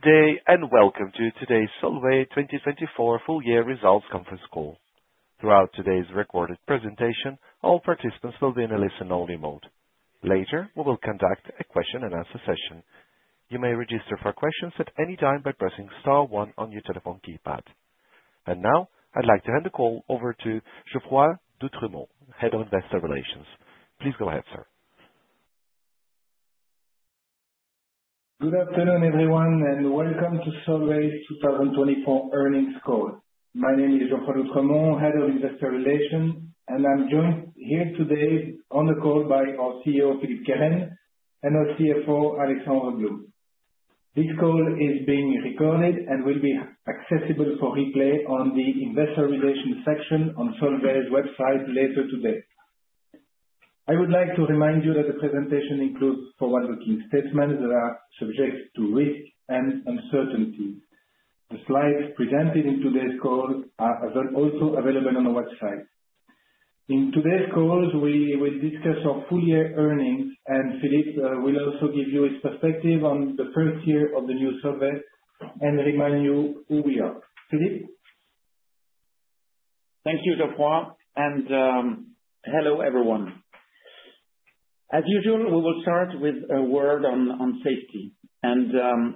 Good day and welcome to today's Solvay 2024 full year results conference call. Throughout today's recorded presentation, all participants will be in a listen-only mode. Later, we will conduct a question-and-answer session. You may register for questions at any time by pressing star one on your telephone keypad. And now, I'd like to hand the call over to Geoffroy d'Oultremont, Head of Investor Relations. Please go ahead, sir. Good afternoon, everyone, and welcome to Solvay 2024 earnings call. My name is Geoffroy d'Oultremont, Head of Investor Relations, and I'm joined here today on the call by our CEO, Philippe Kehren, and our CFO, Alexandre Blum. This call is being recorded and will be accessible for replay on the Investor Relations section on Solvay's website later today. I would like to remind you that the presentation includes forward-looking statements that are subject to risk and uncertainty. The slides presented in today's call are also available on our website. In today's call, we will discuss our full-year earnings, and Philippe will also give you his perspective on the first year of the new Solvay and remind you who we are. Philippe? Thank you, Geoffroy, and hello, everyone. As usual, we will start with a word on safety, and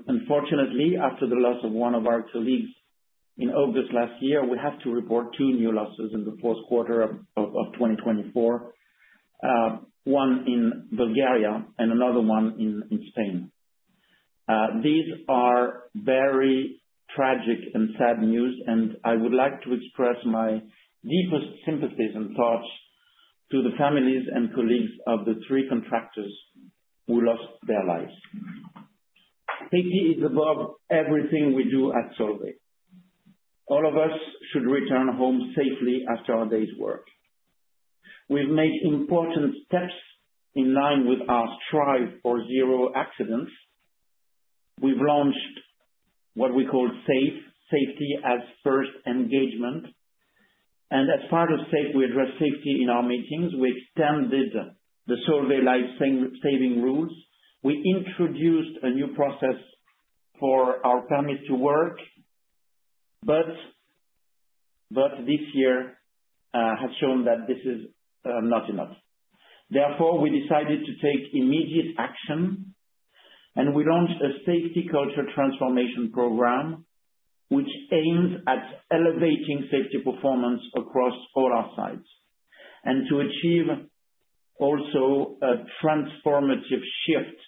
unfortunately, after the loss of one of our colleagues in August last year, we have to report two new losses in the fourth quarter of 2024, one in Bulgaria and another one in Spain. These are very tragic and sad news, and I would like to express my deepest sympathies and thoughts to the families and colleagues of the three contractors who lost their lives. Safety is above everything we do at Solvay. All of us should return home safely after a day's work. We've made important steps in line with our strive for zero accidents. We've launched what we call SAFE, Safety as First Engagement, and as part of SAFE, we address safety in our meetings. We extended the Solvay life-saving rules. We introduced a new process for our families to work, but this year has shown that this is not enough. Therefore, we decided to take immediate action, and we launched a safety culture transformation program, which aims at elevating safety performance across all our sites and to achieve also a transformative shift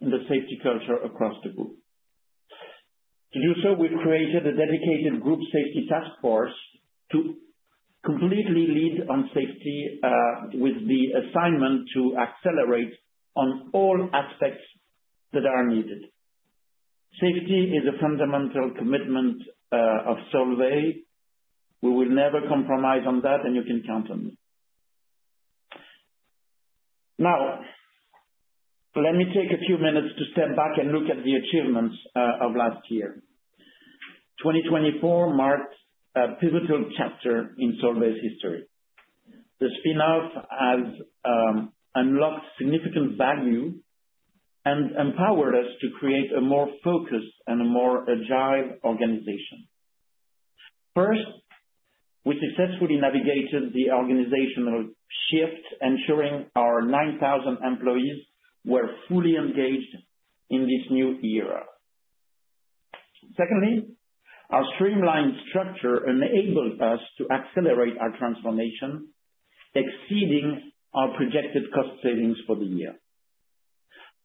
in the safety culture across the group. To do so, we created a dedicated group safety task force to completely lead on safety with the assignment to accelerate on all aspects that are needed. Safety is a fundamental commitment of Solvay. We will never compromise on that, and you can count on it. Now, let me take a few minutes to step back and look at the achievements of last year. 2024 marked a pivotal chapter in Solvay's history. The spinoff has unlocked significant value and empowered us to create a more focused and a more agile organization. First, we successfully navigated the organizational shift, ensuring our 9,000 employees were fully engaged in this new era. Secondly, our streamlined structure enabled us to accelerate our transformation, exceeding our projected cost savings for the year.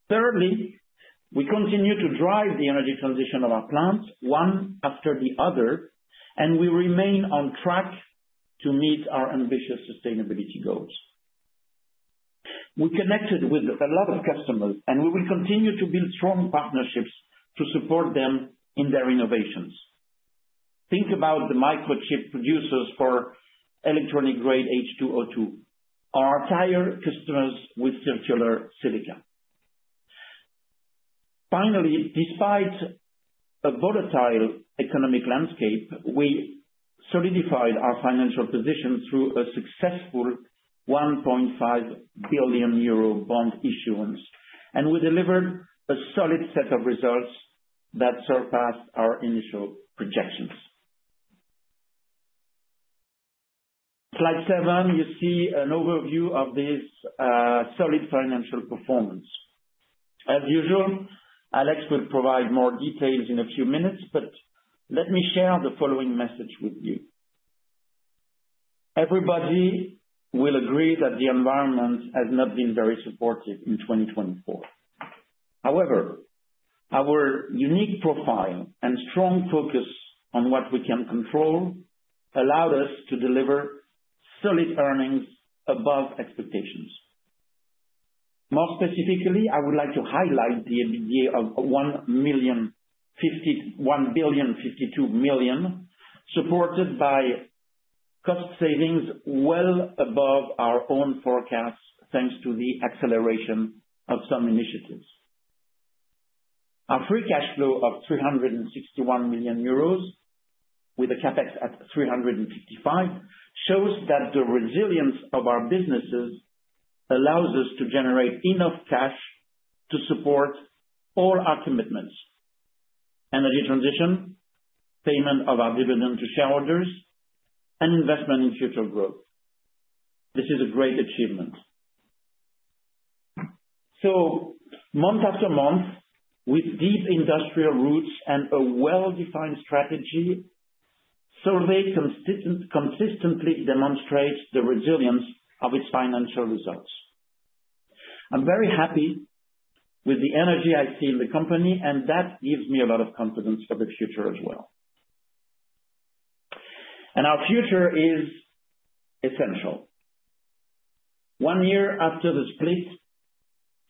Thirdly, we continue to drive the energy transition of our plants, one after the other, and we remain on track to meet our ambitious sustainability goals. We connected with a lot of customers, and we will continue to build strong partnerships to support them in their innovations. Think about the microchip producers for electronic-grade H2O2, our tire customers with circular silica. Finally, despite a volatile economic landscape, we solidified our financial position through a successful 1.5 billion euro bond issuance, and we delivered a solid set of results that surpassed our initial projections. Slide seven, you see an overview of this solid financial performance. As usual, Alex will provide more details in a few minutes, but let me share the following message with you. Everybody will agree that the environment has not been very supportive in 2024. However, our unique profile and strong focus on what we can control allowed us to deliver solid earnings above expectations. More specifically, I would like to highlight the EBITDA of 1,052 million, supported by cost savings well above our own forecasts, thanks to the acceleration of some initiatives. Our free cash flow of 361,000,000 euros, with a CapEx at 355,000,000, shows that the resilience of our businesses allows us to generate enough cash to support all our commitments: energy transition, payment of our dividend to shareholders, and investment in future growth. This is a great achievement, so month after month, with deep industrial roots and a well-defined strategy, Solvay consistently demonstrates the resilience of its financial results. I'm very happy with the energy I see in the company, and that gives me a lot of confidence for the future as well. And our future is essential. One year after this split,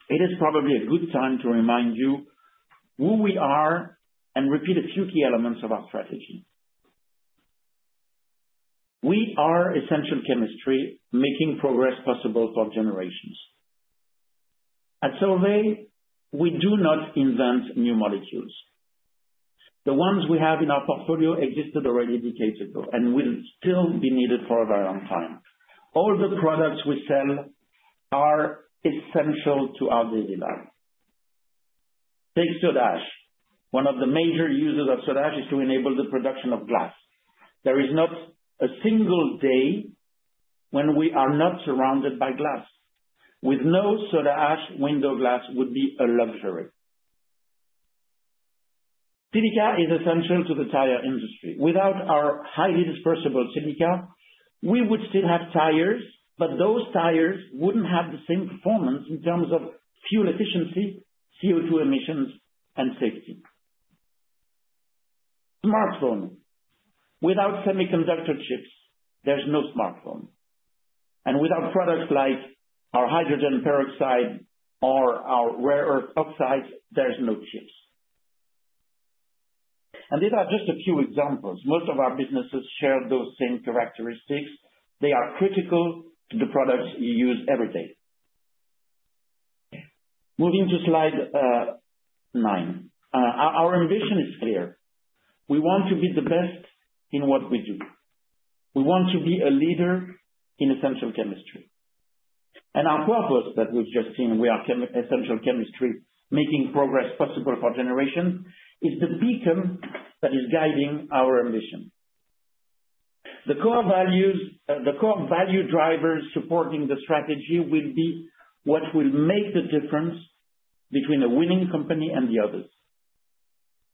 it is probably a good time to remind you who we are and repeat a few key elements of our strategy. We are essential chemistry making progress possible for generations. At Solvay, we do not invent new molecules. The ones we have in our portfolio existed already decades ago and will still be needed for a very long time. All the products we sell are essential to our daily life. Thanks to soda ash, one of the major uses of soda ash is to enable the production of glass. There is not a single day when we are not surrounded by glass. With no soda ash, window glass would be a luxury. Silica is essential to the tire industry. Without our highly dispersible silica, we would still have tires, but those tires wouldn't have the same performance in terms of fuel efficiency, CO2 emissions, and safety. Smartphone. Without semiconductor chips, there's no smartphone. And without products like our hydrogen peroxide or our rare earth oxides, there's no chips. And these are just a few examples. Most of our businesses share those same characteristics. They are critical to the products you use every day. Moving to slide nine, our ambition is clear. We want to be the best in what we do. We want to be a leader in essential chemistry. And our purpose that we've just seen, we are essential chemistry, making progress possible for generations, is the beacon that is guiding our ambition. The core value drivers supporting the strategy will be what will make the difference between a winning company and the others: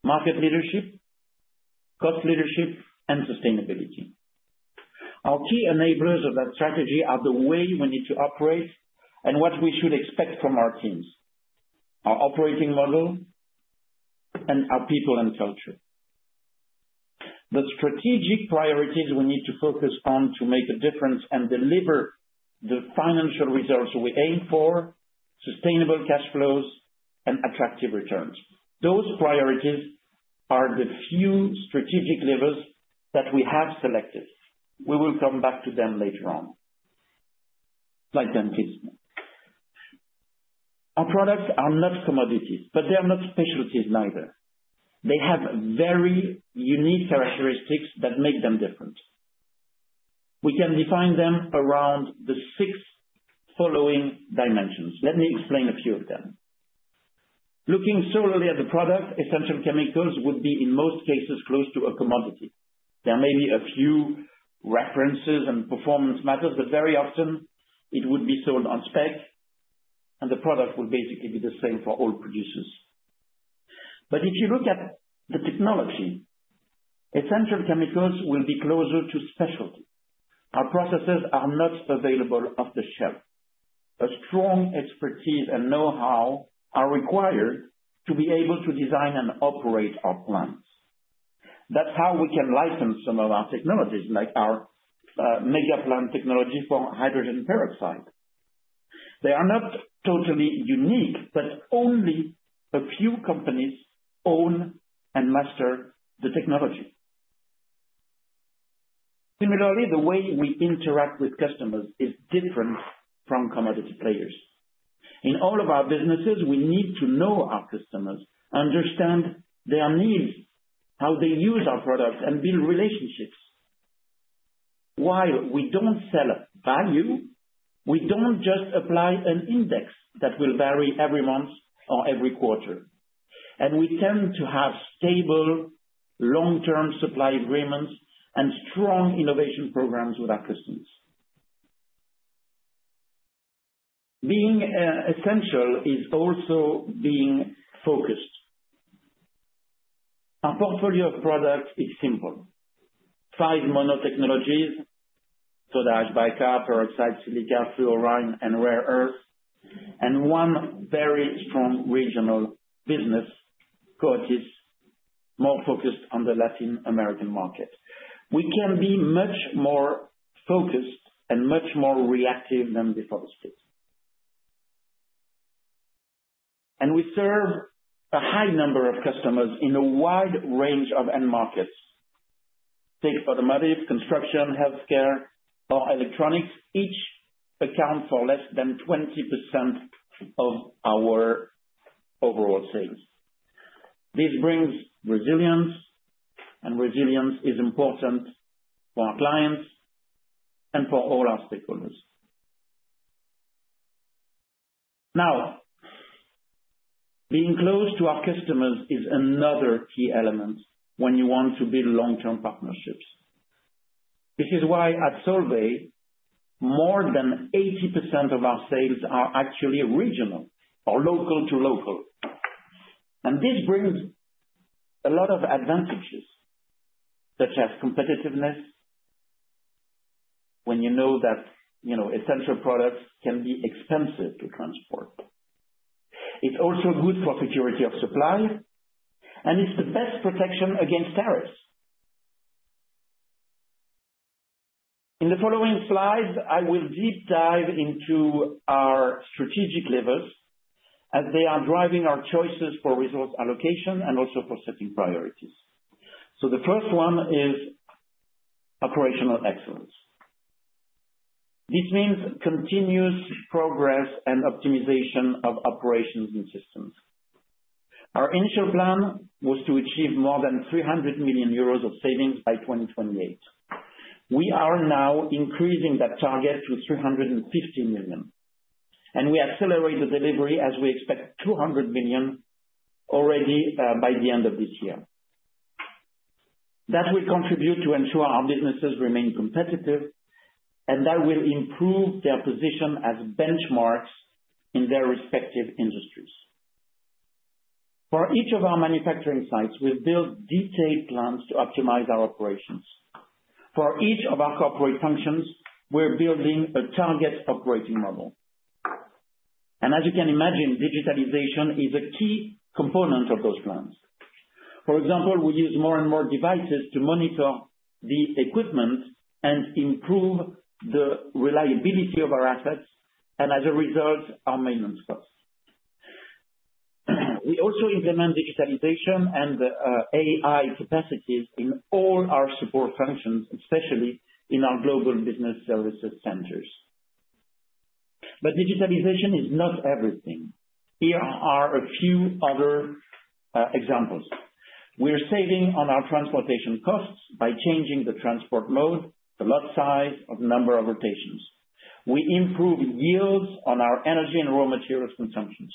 market leadership, cost leadership, and sustainability. Our key enablers of that strategy are the way we need to operate and what we should expect from our teams, our operating model, and our people and culture. The strategic priorities we need to focus on to make a difference and deliver the financial results we aim for: sustainable cash flows and attractive returns. Those priorities are the few strategic levers that we have selected. We will come back to them later on. Slide 10, please. Our products are not commodities, but they are not specialties either. They have very unique characteristics that make them different. We can define them around the six following dimensions. Let me explain a few of them. Looking solely at the product, essential chemicals would be, in most cases, close to a commodity. There may be a few references and performance metrics, but very often, it would be sold on spec, and the product would basically be the same for all producers. But if you look at the technology, essential chemicals will be closer to specialty. Our processes are not available off the shelf. A strong expertise and know-how are required to be able to design and operate our plants. That's how we can license some of our technologies, like our mega plant technology for hydrogen peroxide. They are not totally unique, but only a few companies own and master the technology. Similarly, the way we interact with customers is different from commodity players. In all of our businesses, we need to know our customers, understand their needs, how they use our products, and build relationships. While we don't sell value, we don't just apply an index that will vary every month or every quarter. And we tend to have stable, long-term supply agreements and strong innovation programs with our customers. Being essential is also being focused. Our portfolio of products is simple: five mono technologies: Soda ash, Bicar, peroxide, silica, fluorine, and rare earth, and one very strong regional business, Coatis, more focused on the Latin American market. We can be much more focused and much more reactive than before the split. And we serve a high number of customers in a wide range of end markets. Think automotive, construction, healthcare, or electronics. Each accounts for less than 20% of our overall sales. This brings resilience, and resilience is important for our clients and for all our stakeholders. Now, being close to our customers is another key element when you want to build long-term partnerships. This is why at Solvay, more than 80% of our sales are actually regional or local to local. And this brings a lot of advantages, such as competitiveness when you know that essential products can be expensive to transport. It's also good for security of supply, and it's the best protection against terrorists. In the following slides, I will deep dive into our strategic levers as they are driving our choices for resource allocation and also for setting priorities. So the first one is operational excellence. This means continuous progress and optimization of operations and systems. Our initial plan was to achieve more than 300 million euros of savings by 2028. We are now increasing that target to 350 million, and we accelerate the delivery as we expect 200 million already by the end of this year. That will contribute to ensure our businesses remain competitive, and that will improve their position as benchmarks in their respective industries. For each of our manufacturing sites, we've built detailed plans to optimize our operations. For each of our corporate functions, we're building a target operating model. And as you can imagine, digitalization is a key component of those plans. For example, we use more and more devices to monitor the equipment and improve the reliability of our assets and, as a result, our maintenance costs. We also implement digitalization and AI capacities in all our support functions, especially in our global business services centers. But digitalization is not everything. Here are a few other examples. We're saving on our transportation costs by changing the transport mode, the lot size, or the number of rotations. We improve yields on our energy and raw materials consumptions.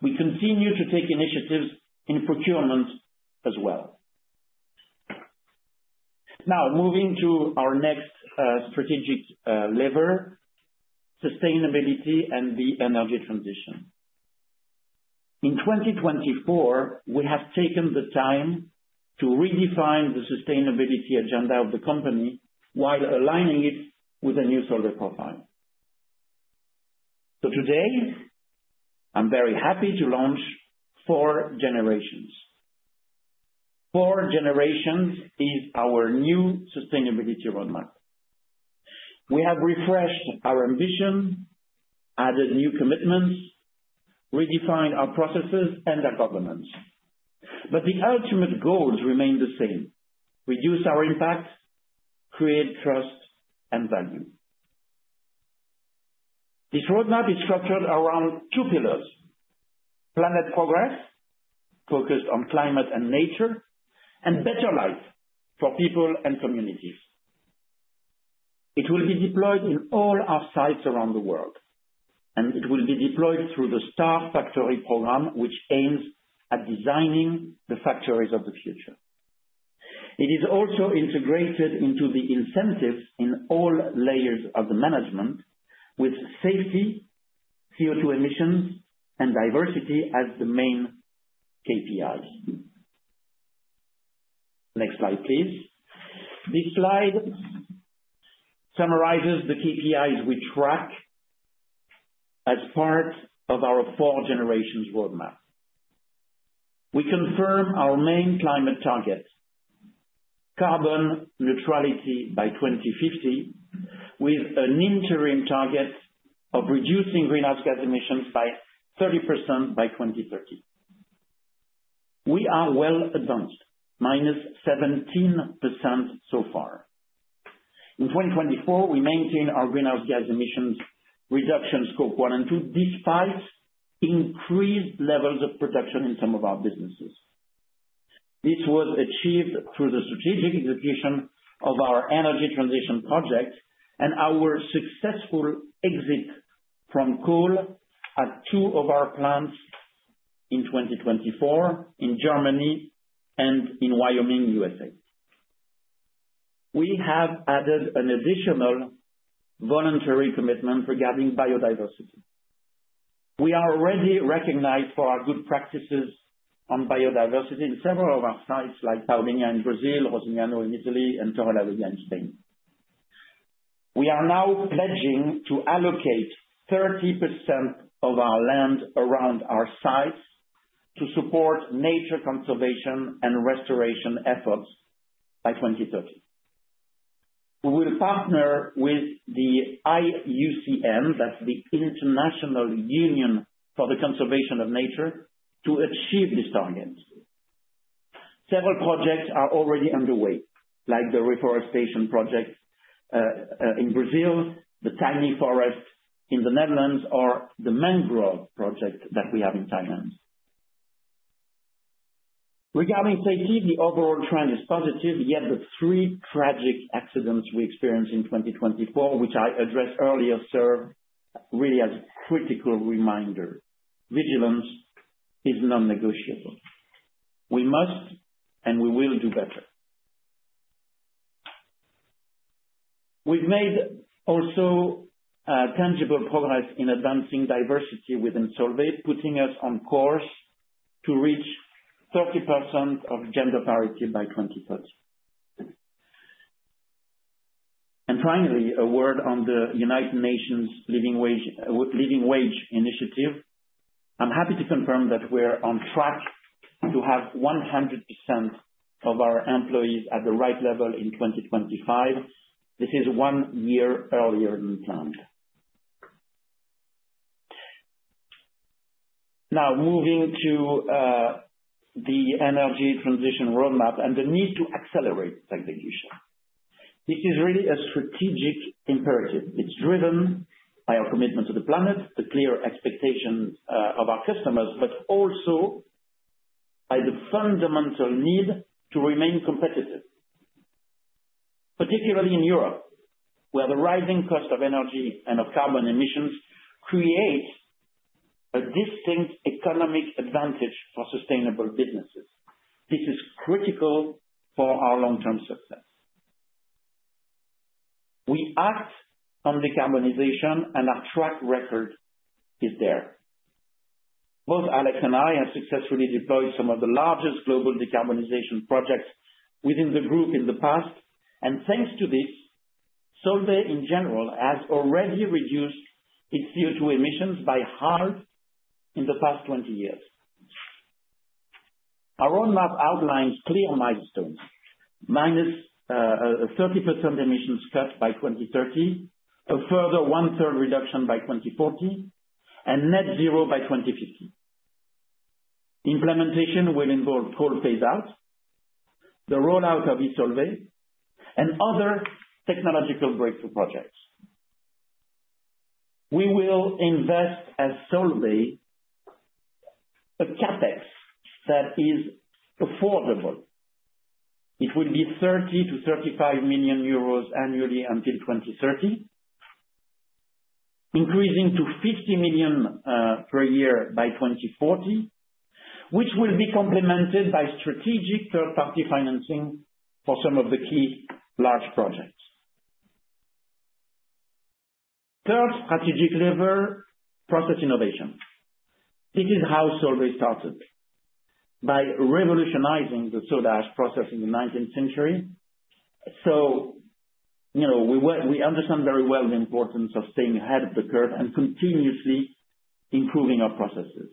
We continue to take initiatives in procurement as well. Now, moving to our next strategic lever, sustainability and the energy transition. In 2024, we have taken the time to redefine the sustainability agenda of the company while aligning it with a new Solvay profile. So today, I'm very happy to launch For Generations. For Generations is our new sustainability roadmap. We have refreshed our ambition, added new commitments, redefined our processes and our governance. But the ultimate goals remain the same: reduce our impact, create trust, and value. This roadmap is structured around two pillars: planet progress, focused on climate and nature, and better life for people and communities. It will be deployed in all our sites around the world, and it will be deployed through the Star Factory program, which aims at designing the factories of the future. It is also integrated into the incentives in all layers of the management, with safety, CO2 emissions, and diversity as the main KPIs. Next slide, please. This slide summarizes the KPIs we track as part of our For Generations roadmap. We confirm our main climate target: carbon neutrality by 2050, with an interim target of reducing greenhouse gas emissions by 30% by 2030. We are well advanced, -17% so far. In 2024, we maintain our greenhouse gas emissions reduction Scope 1 and 2, despite increased levels of production in some of our businesses. This was achieved through the strategic execution of our energy transition project and our successful exit from coal at two of our plants in 2024 in Germany and in Wyoming, USA. We have added an additional voluntary commitment regarding biodiversity. We are already recognized for our good practices on biodiversity in several of our sites, like Paulinia in Brazil, Rosignano in Italy, and Torrelavega in Spain. We are now pledging to allocate 30% of our land around our sites to support nature conservation and restoration efforts by 2030. We will partner with the IUCN, that's the International Union for the Conservation of Nature, to achieve this target. Several projects are already underway, like the reforestation project in Brazil, the Tiny Forest in the Netherlands, or the Mangrove project that we have in Thailand. Regarding safety, the overall trend is positive, yet the three tragic accidents we experienced in 2024, which I addressed earlier, serve really as a critical reminder. Vigilance is non-negotiable. We must, and we will do better. We've made also tangible progress in advancing diversity within Solvay, putting us on course to reach 30% of gender parity by 2030, and finally, a word on the United Nations Living Wage Initiative. I'm happy to confirm that we're on track to have 100% of our employees at the right level in 2025. This is one year earlier than planned. Now, moving to the energy transition roadmap and the need to accelerate execution. This is really a strategic imperative. It's driven by our commitment to the planet, the clear expectations of our customers, but also by the fundamental need to remain competitive, particularly in Europe, where the rising cost of energy and of carbon emissions creates a distinct economic advantage for sustainable businesses. This is critical for our long-term success. We act on decarbonization, and our track record is there. Both Alex and I have successfully deployed some of the largest global decarbonization projects within the group in the past. And thanks to this, Solvay in general has already reduced its CO2 emissions by half in the past 20 years. Our roadmap outlines clear milestones: minus 30% emissions cut by 2030, a further one-third reduction by 2040, and net zero by 2050. Implementation will involve coal phase-out, the rollout of e.Solvay, and other technological breakthrough projects. We will invest as Solvay a CapEx that is affordable. It will be 30-35 million euros annually until 2030, increasing to 50 million per year by 2040, which will be complemented by strategic third-party financing for some of the key large projects. Third strategic lever, process innovation. This is how Solvay started: by revolutionizing the soda process in the 19th century. We understand very well the importance of staying ahead of the curve and continuously improving our processes.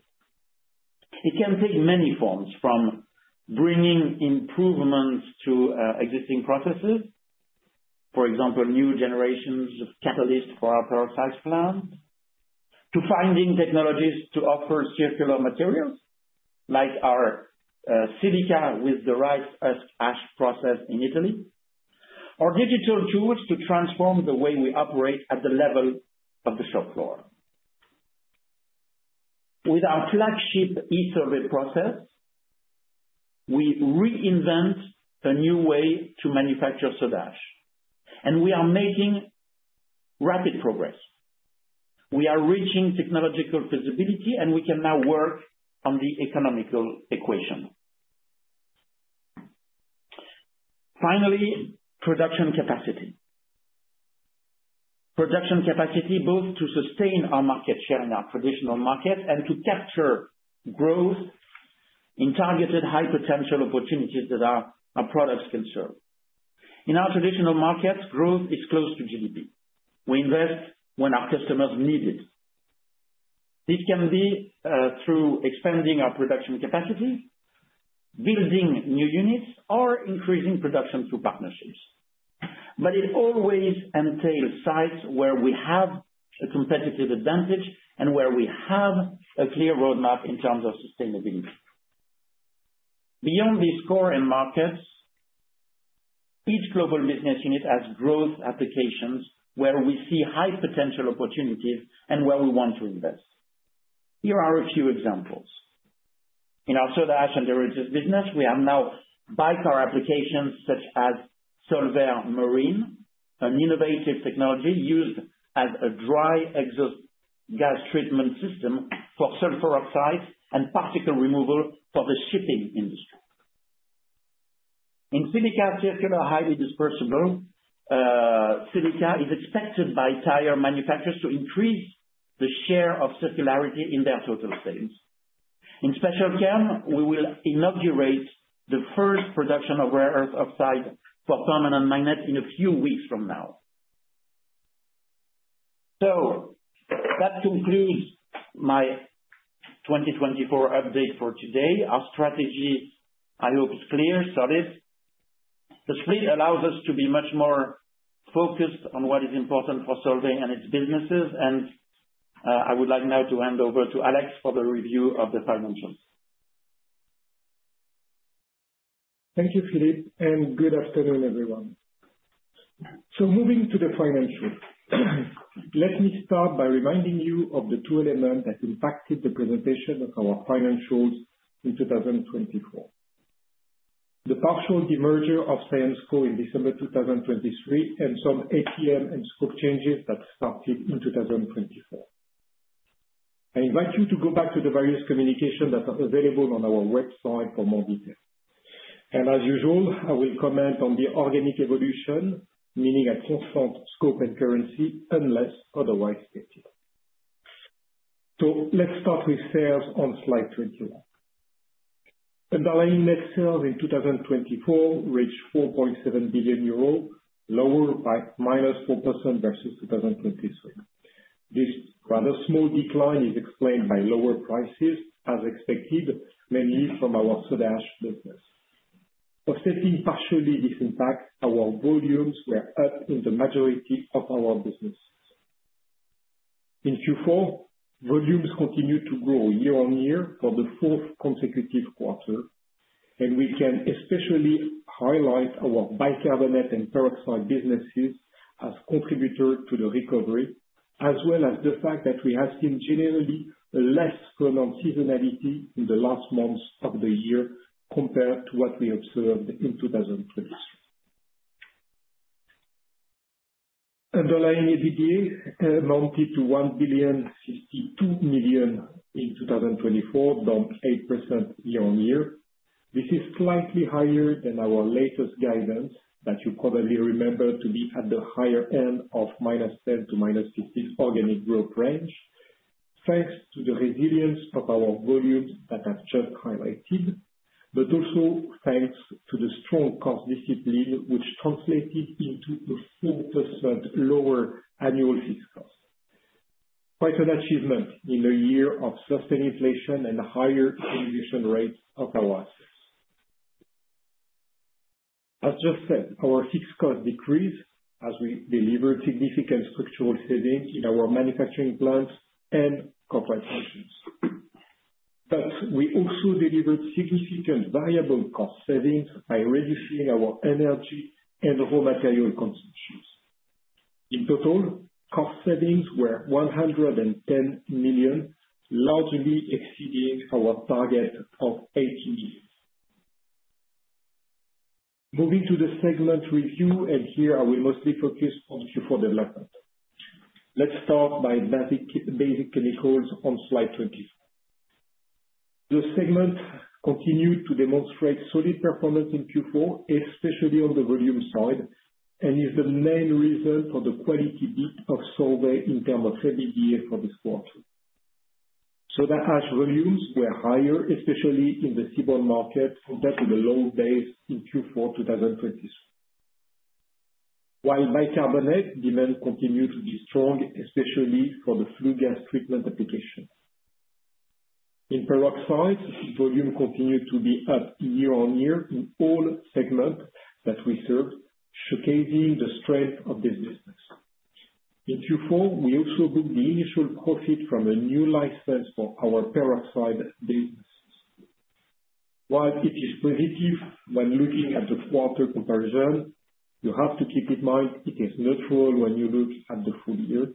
It can take many forms, from bringing improvements to existing processes, for example, new generations of catalysts for our peroxide plant, to finding technologies to offer circular materials like our silica with the Rice Ash process in Italy, or digital tools to transform the way we operate at the level of the shop floor. With our flagship e.Solvay process, we reinvent a new way to manufacture soda ash, and we are making rapid progress. We are reaching technological feasibility, and we can now work on the economic equation. Finally, production capacity. Production capacity, both to sustain our market share in our traditional market and to capture growth in targeted high potential opportunities that our products can serve. In our traditional markets, growth is close to GDP. We invest when our customers need it. This can be through expanding our production capacity, building new units, or increasing production through partnerships. But it always entails sites where we have a competitive advantage and where we have a clear roadmap in terms of sustainability. Beyond these core and markets, each global business unit has growth applications where we see high potential opportunities and where we want to invest. Here are a few examples. In our soda ash and Coatis business, we have now Bicar applications such as SOLVAir Marine, an innovative technology used as a dry exhaust gas treatment system for sulfur oxides and particle removal for the shipping industry. In silica, circular highly dispersible silica is expected by tire manufacturers to increase the share of circularity in their total sales. In Special Chem, we will inaugurate the first production of rare earth oxide for permanent magnets in a few weeks from now. That concludes my 2024 update for today. Our strategy, I hope, is clear, solid. This really allows us to be much more focused on what is important for Solvay and its businesses. I would like now to hand over to Alex for the review of the financials. Thank you, Philippe, and good afternoon, everyone. Moving to the financials, let me start by reminding you of the two elements that impacted the presentation of our financials in 2024: the partial demerger of Syensqo in December 2023 and some HCM and scope changes that started in 2024. I invite you to go back to the various communications that are available on our website for more details. As usual, I will comment on the organic evolution, meaning at constant scope and currency unless otherwise stated. Let's start with sales on slide 21. Underlying net sales in 2024 reached 4.7 billion euro, lower by minus 4% versus 2023. This rather small decline is explained by lower prices, as expected, mainly from our soda ash business. Our volumes were up in the majority of our businesses. In Q4, volumes continued to grow year on year for the fourth consecutive quarter, and we can especially highlight our bicarbonate and peroxide businesses as contributors to the recovery, as well as the fact that we have seen generally less pronounced seasonality in the last months of the year compared to what we observed in 2020. Underlying EBITDA amounted to 1.62 billion in 2024, down 8% year on year. This is slightly higher than our latest guidance that you probably remember to be at the higher end of -10% to -15% organic growth range, thanks to the resilience of our volumes that I've just highlighted, but also thanks to the strong cost discipline, which translated into the 5% lower annual fixed costs. Quite an achievement in a year of sustained inflation and higher utilization rates of our assets. As just said, our fixed cost decreased as we delivered significant structural savings in our manufacturing plants and corporate houses. Thus, we also delivered significant variable cost savings by reducing our energy and raw material consumption. In total, cost savings were 110 million, largely exceeding our target of 80 million. Moving to the segment review, and here I will mostly focus on Q4 development. Let's start by basic chemicals on slide 23. The segment continued to demonstrate solid performance in Q4, especially on the volume side, and is the main reason for the quarterly beat of Solvay in terms of EBITDA for this quarter. Soda ash volumes were higher, especially in the seaborne market, compared to the low base in Q4 2023, while bicarbonate demand continued to be strong, especially for the flue gas treatment application. In peroxide, this volume continued to be up year on year in all segments that we serve, showcasing the strength of this business. In Q4, we also booked the initial profit from a new license for our peroxide businesses. While it is positive when looking at the quarter comparison, you have to keep in mind it is neutral when you look at the full year,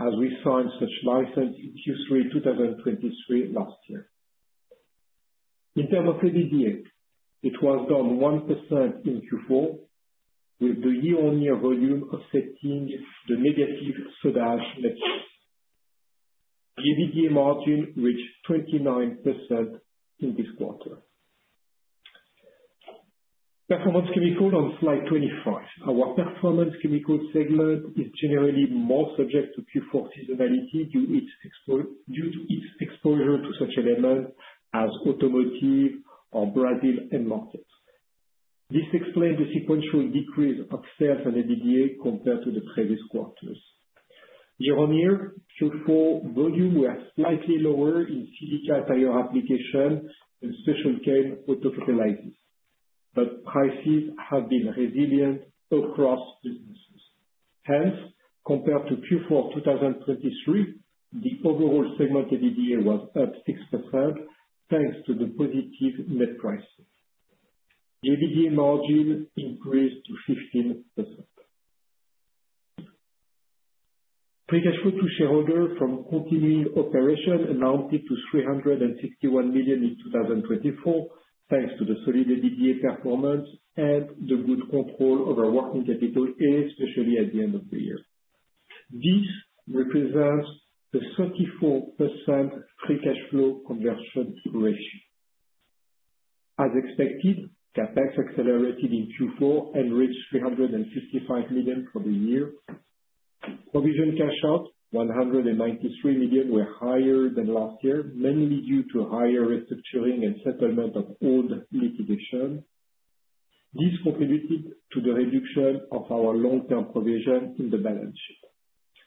as we signed such license in Q3 2023 last year. In terms of EBITDA, it was down 1% in Q4, with the year-on-year volume affecting the negative soda ash net sales. The EBITDA margin reached 29% in this quarter. Performance Chemicals on slide 25. Our Performance Chemicals segment is generally more subject to Q4 seasonality due to its exposure to such elements as automotive or Brazil and markets. This explains the sequential decrease of sales and EBITDA compared to the previous quarters. Year-on-year, Q4 volumes were slightly lower in silica tire application and special chem automotive elastomers, but prices have been resilient across businesses. Hence, compared to Q4 2023, the overall segment EBITDA was up 6% thanks to the positive net pricing. The EBITDA margin increased to 15%. Free cash flow to shareholders from continuing operations amounted to 361 million in 2024, thanks to the solid EBITDA performance and the good control of our working capital, especially at the end of the year. This represents the 34% free cash flow conversion ratio. As expected, CapEx accelerated in Q4 and reached 365 million for the year. Provisions cash outs, 193 million, were higher than last year, mainly due to higher restructuring and settlement of old litigation. This contributed to the reduction of our long-term provision in the balance sheet.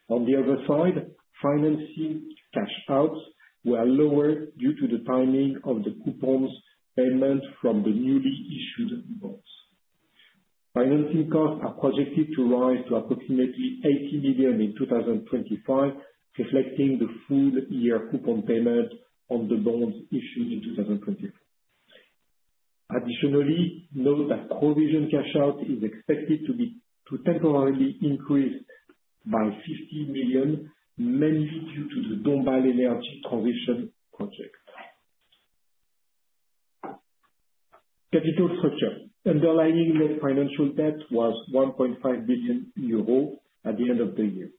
On the other side, financing cash outs were lowered due to the timing of the coupon payment from the newly issued bonds. Financing costs are projected to rise to approximately 80 million in 2025, reflecting the full year coupon payment on the bonds issued in 2024. Additionally, note that provision cash out is expected to be temporarily increased by 15 million, mainly due to the Dombasle energy transition project. Capital structure. Underlying net financial debt was 1.5 billion euro at the end of the year,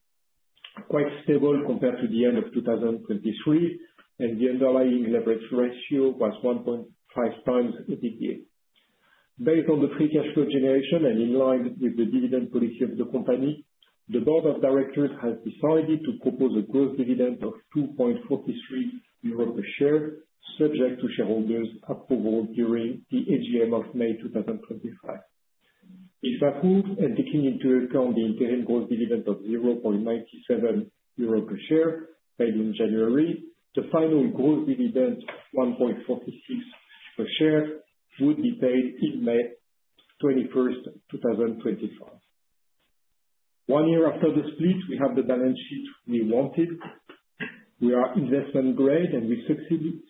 quite stable compared to the end of 2023, and the underlying leverage ratio was 1.5 times EBITDA. Based on the free cash flow generation and in line with the dividend policy of the company, the board of directors has decided to propose a gross dividend of 2.43 euros per share, subject to shareholders' approval during the AGM of May 2025. If approved and taken into account the interim gross dividend of 0.97 euro per share paid in January, the final gross dividend, 1.46 per share, would be paid in May 21st, 2025. One year after the split, we have the balance sheet we wanted. We are investment grade, and we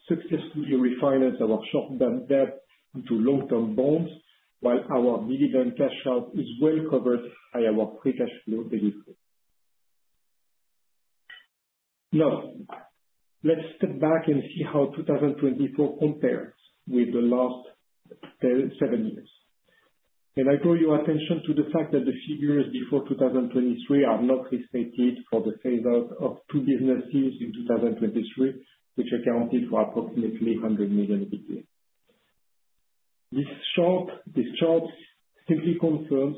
successfully refinanced our short-term debt into long-term bonds, while our dividend cash out is well covered by our free cash flow delivery. Now, let's step back and see how 2024 compares with the last seven years. Can I draw your attention to the fact that the figures before 2023 are not restated for the sales out of two businesses in 2023, which accounted for approximately 100 million? This chart simply confirms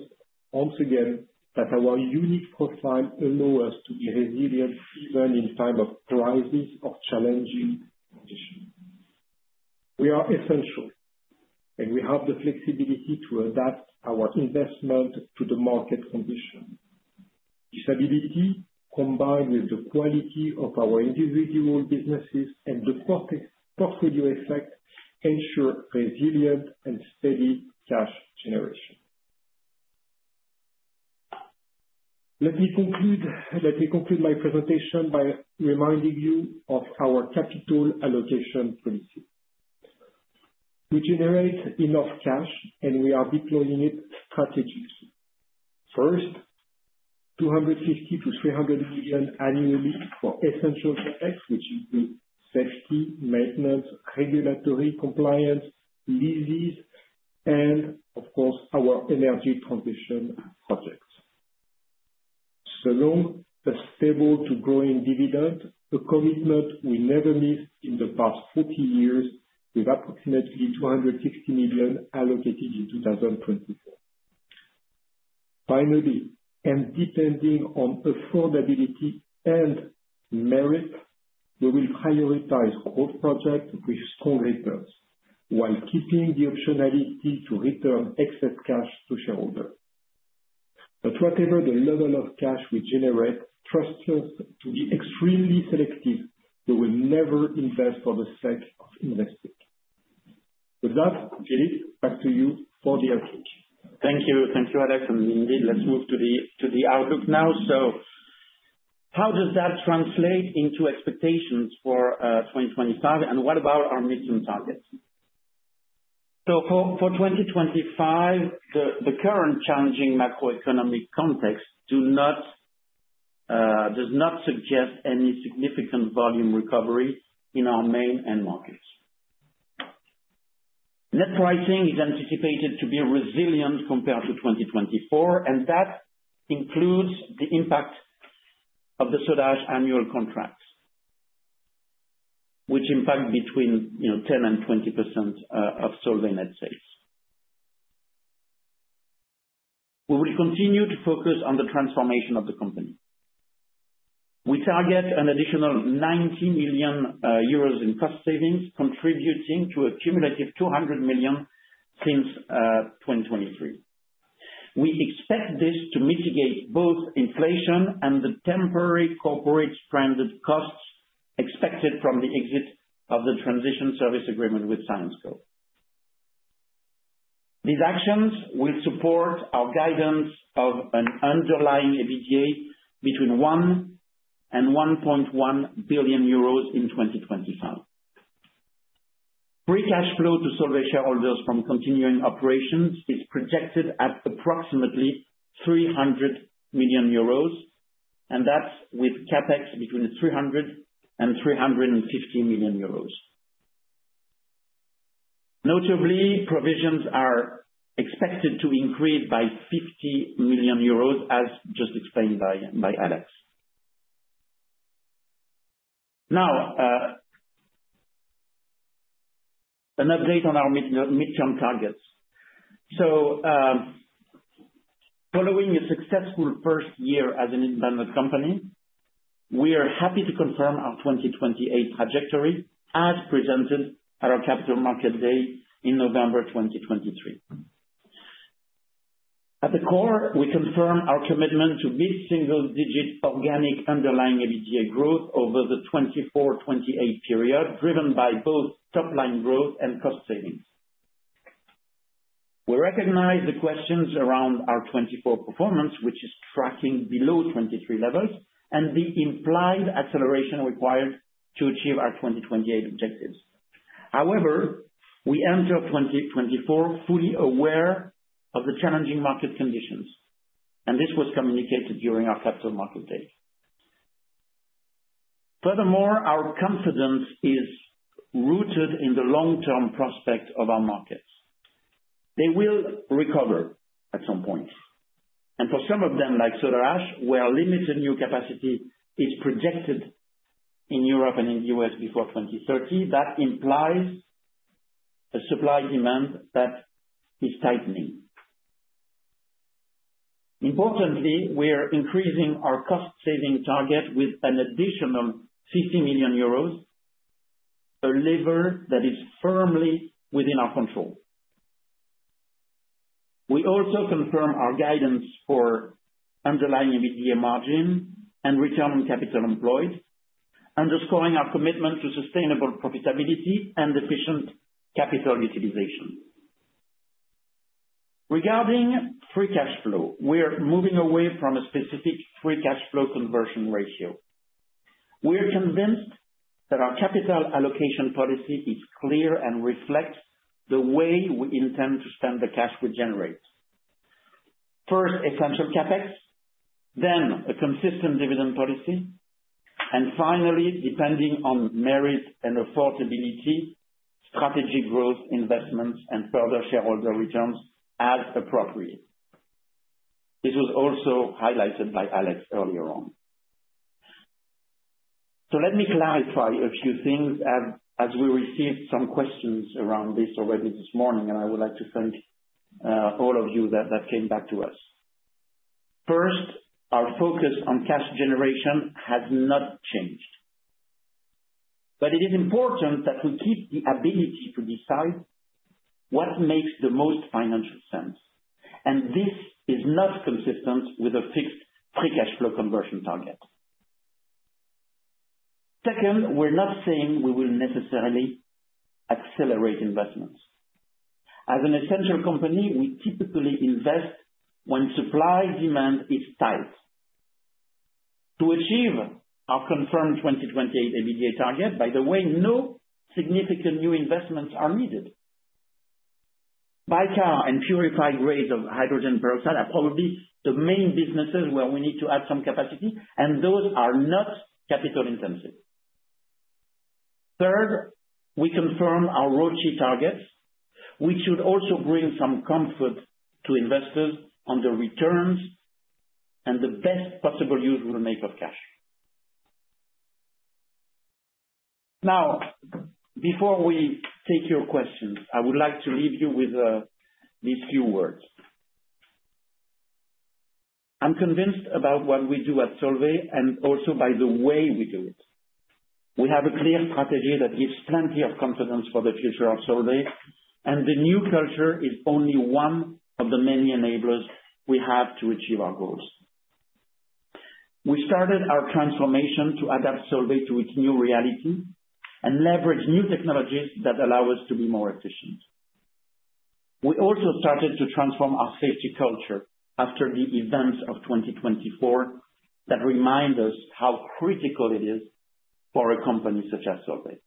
once again that our unique profile allows resilience even in times of crisis or challenging conditions. We are essential, and we have the flexibility to adapt our investment to the market conditions. This ability, combined with the quality of our individual businesses and the portfolio effect, ensures resilient and steady cash generation. Let me conclude my presentation by reminding you of our capital allocation policy. We generate enough cash, and we are deploying it strategically. First, 250-300 million annually for essential capex, which would be safety, maintenance, regulatory compliance, leases, and, of course, our energy transition projects. The long-standing, sustainable and growing dividend, a commitment we never missed in the past 40 years, with approximately 260 million allocated in 2024. Finally, and depending on affordability and merit, we will prioritize growth projects with strong returns, while keeping the optionality to return excess cash to shareholders. But whatever the level of cash we generate, trust us to be extremely selective. We will never invest for the sake of investing. With that, Philippe, back to you for the answers. Thank you. Thank you, Alex. Indeed, let's move to the outlook now. How does that translate into expectations for 2025? And what about our mid-term targets? For 2025, the current challenging macroeconomic context does not suggest any significant volume recovery in our main end markets. Net pricing is anticipated to be resilient compared to 2024, and that includes the impact of the soda ash annual contracts, which impact between 10% and 20% of Solvay net sales. We will continue to focus on the transformation of the company. We target an additional 90 million euros in cost savings, contributing to a cumulative 200 million since 2023. We expect this to mitigate both inflation and the temporary corporate stranded costs expected from the exit of the transition service agreement with Syensqo. These actions will support our guidance of an underlying EBITDA between 1 and 1.1 billion euros in 2025. Free cash flow to Solvay shareholders from continuing operations is projected at approximately 300 million euros, and that's with CapEx between 300 and 350 million euros. Notably, provisions are expected to increase by 50 million euros, as just explained by Alex. Now, an update on our midterm targets. So following a successful first year as an independent company, we are happy to confirm our 2028 trajectory as presented at our capital market day in November 2023. At the core, we confirm our commitment to this single-digit organic underlying EBITDA growth over the 24-28 period, driven by both top-line growth and cost savings. We recognize the questions around our 24 performance, which is tracking below 23 levels, and the implied acceleration required to achieve our 2028 objectives. However, we enter 2024 fully aware of the challenging market conditions, and this was communicated during our capital market day. Furthermore, our confidence is rooted in the long-term prospects of our markets. They will recover at some point. For some of them, like soda ash, where limited new capacity is projected in Europe and in the U.S. before 2030, that implies a supply-demand that is tightening. Importantly, we are increasing our cost-saving target with an additional 50 million euros, a lever that is firmly within our control. We also confirm our guidance for underlying EBITDA margin and return on capital employed, underscoring our commitment to sustainable profitability and efficient capital utilization. Regarding free cash flow, we are moving away from a specific free cash flow conversion ratio. We are convinced that our capital allocation policy is clear and reflects the way we intend to spend the cash we generate. First, essential CapEx, then a consistent dividend policy, and finally, depending on merit and affordability, strategic growth investments and further shareholder returns as appropriate. This was also highlighted by Alex earlier on. So let me clarify a few things as we received some questions around this already this morning, and I would like to thank all of you that came back to us. First, our focus on cash generation has not changed, but it is important that we keep the ability to decide what makes the most financial sense, and this is not consistent with a fixed free cash flow conversion target. Second, we're not saying we will necessarily accelerate investments. As an essential company, we typically invest when supply-demand is tight. To achieve our confirmed 2028 EBITDA target, by the way, no significant new investments are needed. Bicar and purified grades of hydrogen peroxide are probably the main businesses where we need to add some capacity, and those are not capital-intensive. Third, we confirm our ROCE targets, which should also bring some comfort to investors on the returns and the best possible use we'll make of cash. Now, before we take your questions, I would like to leave you with these few words. I'm convinced about what we do at Solvay and also by the way we do it. We have a clear strategy that gives plenty of confidence for the future of Solvay, and the new culture is only one of the many enablers we have to achieve our goals. We started our transformation to adapt Solvay to its new reality and leverage new technologies that allow us to be more efficient. We also started to transform our safety culture after the events of 2024 that remind us how critical it is for a company such as Solvay.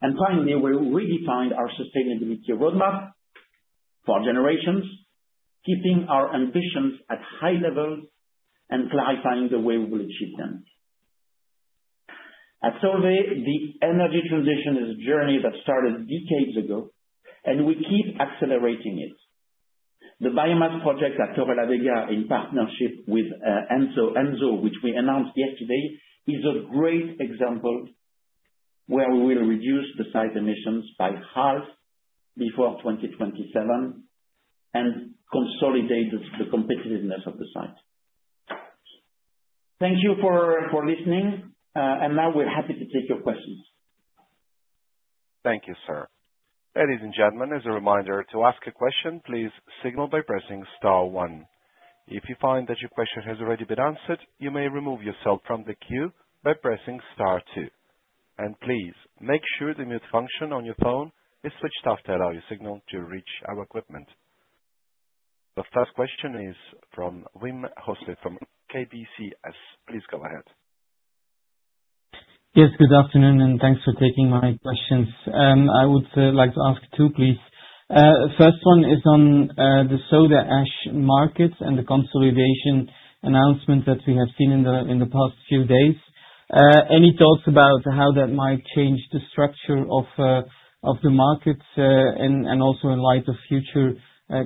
Finally, we'll redefine our sustainability roadmap for generations, keeping our ambitions at high levels and clarifying the way we will achieve them. At Solvay, the energy transition is a journey that started decades ago, and we keep accelerating it. The biomass project at Torrelavega, in partnership with Enso, which we announced yesterday, is a great example where we will reduce the site emissions by half before 2027 and consolidate the competitiveness of the site. Thank you for listening, and now we're happy to take your questions. Thank you, sir. Ladies and gentlemen, as a reminder, to ask a question, please signal by pressing star one. If you find that your question has already been answered, you may remove yourself from the queue by pressing star two. Please make sure the mute function on your phone is switched off to allow your signal to reach our equipment. The first question is from Wim Hoste from KBCS. Please go ahead. Yes, good afternoon, and thanks for taking my questions. I would like to ask two, please. The first one is on the soda ash markets and the consolidation announcement that we have seen in the past few days. Any thoughts about how that might change the structure of the markets and also in light of future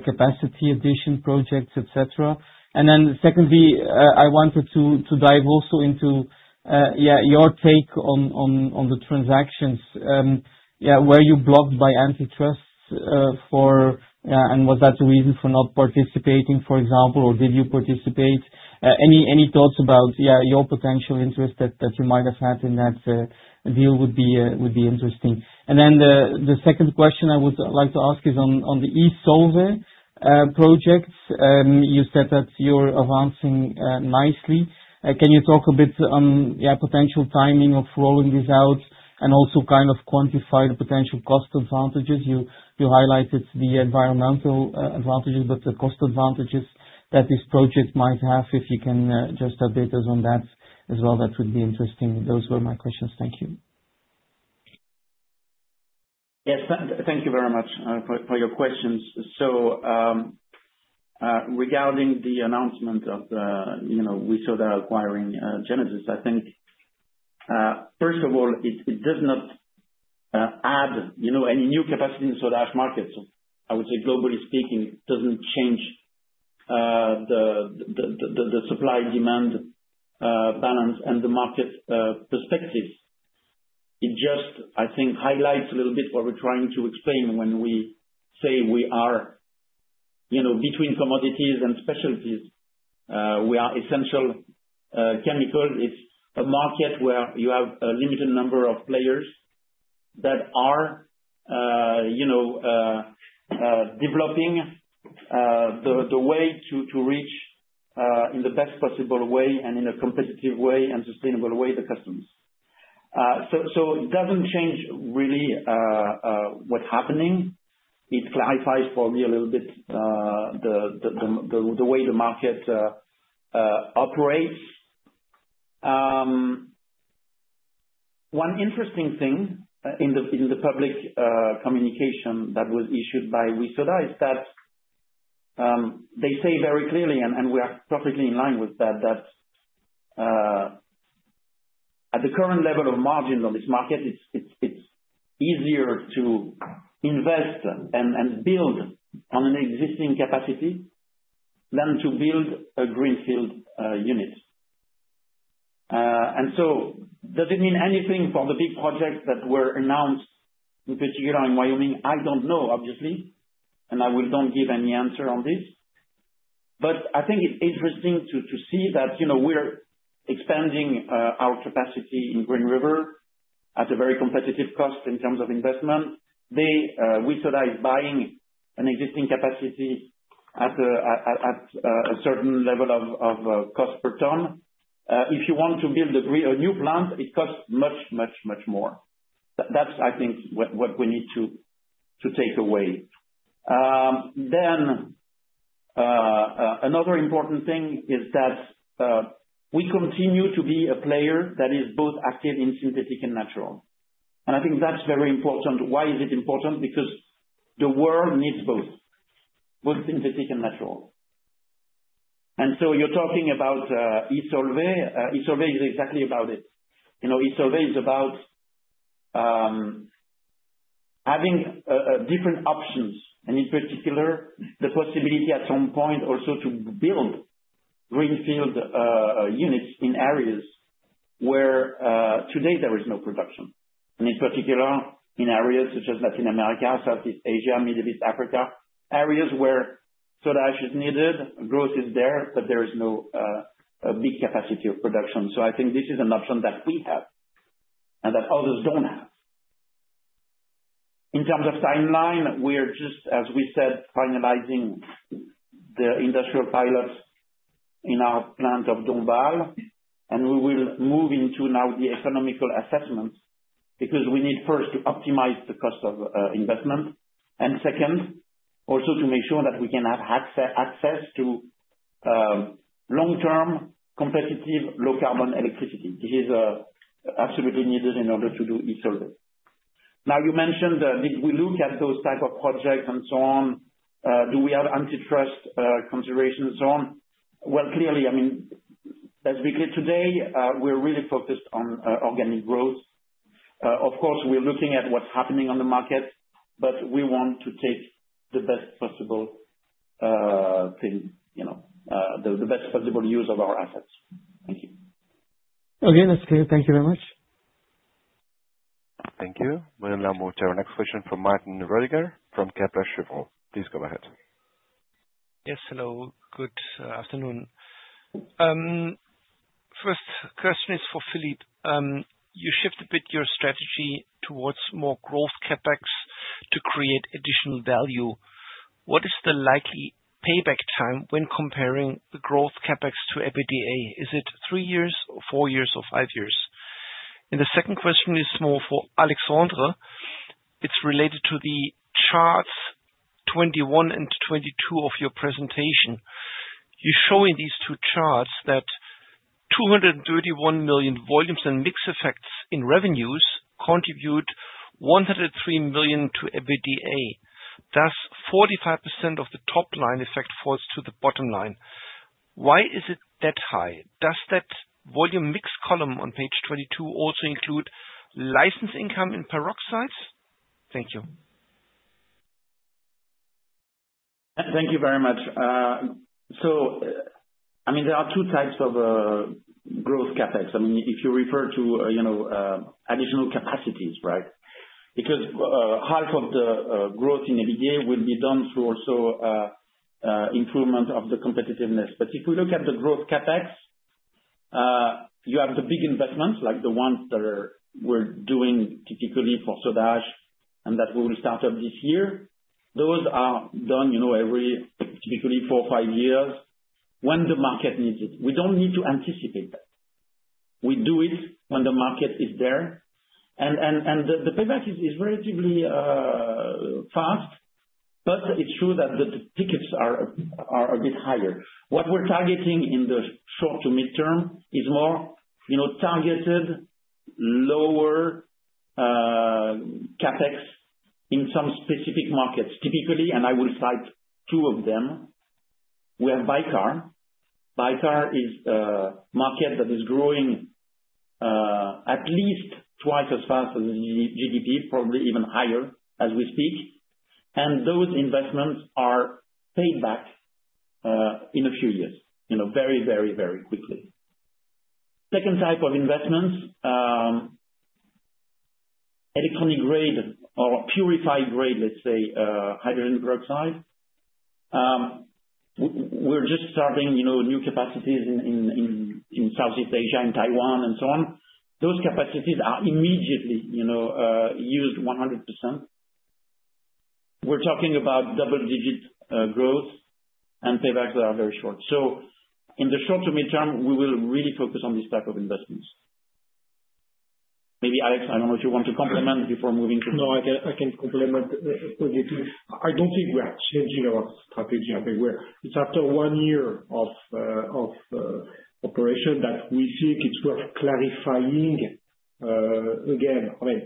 capacity addition projects, etc.? And then secondly, I wanted to dive also into your take on the transactions. Yeah, were you blocked by antitrust for, and was that the reason for not participating, for example, or did you participate? Any thoughts about your potential interest that you might have had in that deal would be interesting. And then the second question I would like to ask is on the e.Solvay projects. You said that you're advancing nicely. Can you talk a bit on potential timing of rolling this out and also kind of quantify the potential cost advantages? You highlighted the environmental advantages, but the cost advantages that this project might have, if you can just have details on that as well, that would be interesting. Those were my questions. Thank you. Yes, thank you very much for your questions. So regarding the announcement of WE Soda acquiring Genesis, I think, first of all, it does not add any new capacity in the soda ash markets. I would say, globally speaking, it doesn't change the supply-demand balance and the market perspectives. It just, I think, highlights a little bit what we're trying to explain when we say we are between commodities and specialties. We are essential chemicals. It's a market where you have a limited number of players that are developing the way to reach in the best possible way and in a competitive way and sustainable way the customers. So it doesn't change really what's happening. It clarifies for me a little bit the way the market operates. One interesting thing in the public communication that was issued by WE Soda is that they say very clearly, and we are perfectly in line with that, that at the current level of margin on this market, it's easier to invest and build on an existing capacity than to build a greenfield unit. And so does it mean anything for the big projects that were announced, in particular in Wyoming? I don't know, obviously, and I will not give any answer on this. But I think it's interesting to see that we're expanding our capacity in Green River at a very competitive cost in terms of investment. WE Soda is buying an existing capacity at a certain level of cost per ton. If you want to build a new plant, it costs much, much, much more. That's, I think, what we need to take away. Then another important thing is that we continue to be a player that is both active in synthetic and natural. And I think that's very important. Why is it important? Because the world needs both, both synthetic and natural. And so you're talking about e.Solvay. e.Solvay is exactly about it. e.Solvay is about having different options, and in particular, the possibility at some point also to build greenfield units in areas where today there is no production. In particular, in areas such as Latin America, Southeast Asia, Middle East, Africa, areas where soda ash is needed, growth is there, but there is no big capacity of production. I think this is an option that we have and that others don't have. In terms of timeline, we are just, as we said, finalizing the industrial pilots in our plant of Dombasle, and we will move into now the economic assessment because we need first to optimize the cost of investment, and second, also to make sure that we can have access to long-term competitive low-carbon electricity. This is absolutely needed in order to do e.Solvay. Now, you mentioned that we look at those types of projects and so on. Do we have antitrust considerations and so on? Clearly, I mean, technically today, we're really focused on organic growth. Of course, we're looking at what's happening on the market, but we want to take the best possible thing, the best possible use of our assets. Okay, that's clear. Thank you very much. Thank you. We'll now move to our next question from Martin Roediger from Kepler Cheuvreux. Please go ahead. Yes, hello. Good afternoon. First question is for Philippe. You shifted a bit your strategy towards more growth CapEx to create additional value. What is the likely payback time when comparing the growth CapEx to EBITDA? Is it three years, four years, or five years? And the second question is more for Alexandre. It's related to the charts 21 and 22 of your presentation. You show in these two charts that 231 million volumes and mix effects in revenues contribute 103 million to EBITDA. Thus, 45% of the top line effect falls to the bottom line. Why is it that high? Does that volume mix column on page 22 also include license income in peroxides? Thank you. Thank you very much. So, I mean, there are two types of growth CapEx. I mean, if you refer to additional capacities, right? Because half of the growth in EBITDA will be done through also improvement of the competitiveness. But if we look at the growth CapEx, you have the big investments like the ones that we're doing typically for soda ash and that we will start up this year. Those are done every typically four or five years when the market needs it. We don't need to anticipate. We do it when the market is there. And the payback is relatively fast, but it's true that the tickets are a bit higher. What we're targeting in the short to midterm is more targeted, lower CapEx in some specific markets. Typically, and I will cite two of them, we have Bicar. Bicar is a market that is growing at least twice as fast as GDP, probably even higher as we speak. And those investments are paid back in a few years, very, very, very quickly. Second type of investments, electronic grade or purified grade, let's say, hydrogen peroxide. We're just starting new capacities in Southeast Asia and Taiwan and so on. Those capacities are immediately used 100%. We're talking about double-digit growth, and payback are very short. So in the short to midterm, we will really focus on this type of investments. Maybe Alex, I don't know if you want to complement before moving to. No, I can complement. I don't see changing our strategy. It's after one year of operation that we see it's worth clarifying again. I mean,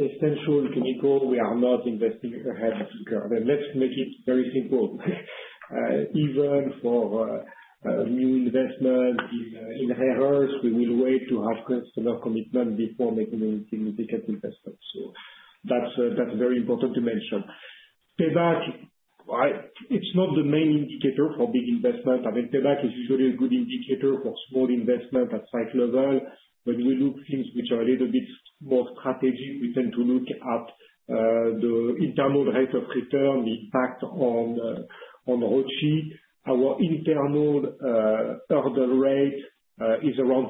essential chemicals, we are not investing ahead of the curve. Let's make it very simple. Even for new investments in rare earth, we will wait to have customer commitment before making any significant investment. That's very important to mention. Payback, it's not the main indicator for big investment. I mean, payback is usually a good indicator for small investment at site level. When we look things which are a little bit more strategic, we tend to look at the internal rate of return, the impact on ROCE. Our internal hurdle rate is around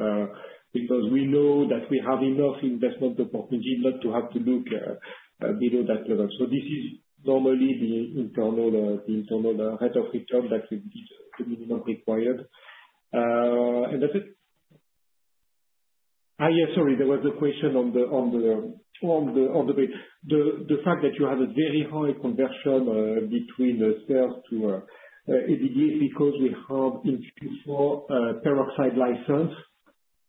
15% because we know that we have enough investment opportunity not to have to look below that level. So this is normally the internal rate of return that is minimum required. And that's it. Yes, sorry, there was a question on the plate. The fact that you have a very high conversion between sales to EBITDA is because we have industrial peroxide license,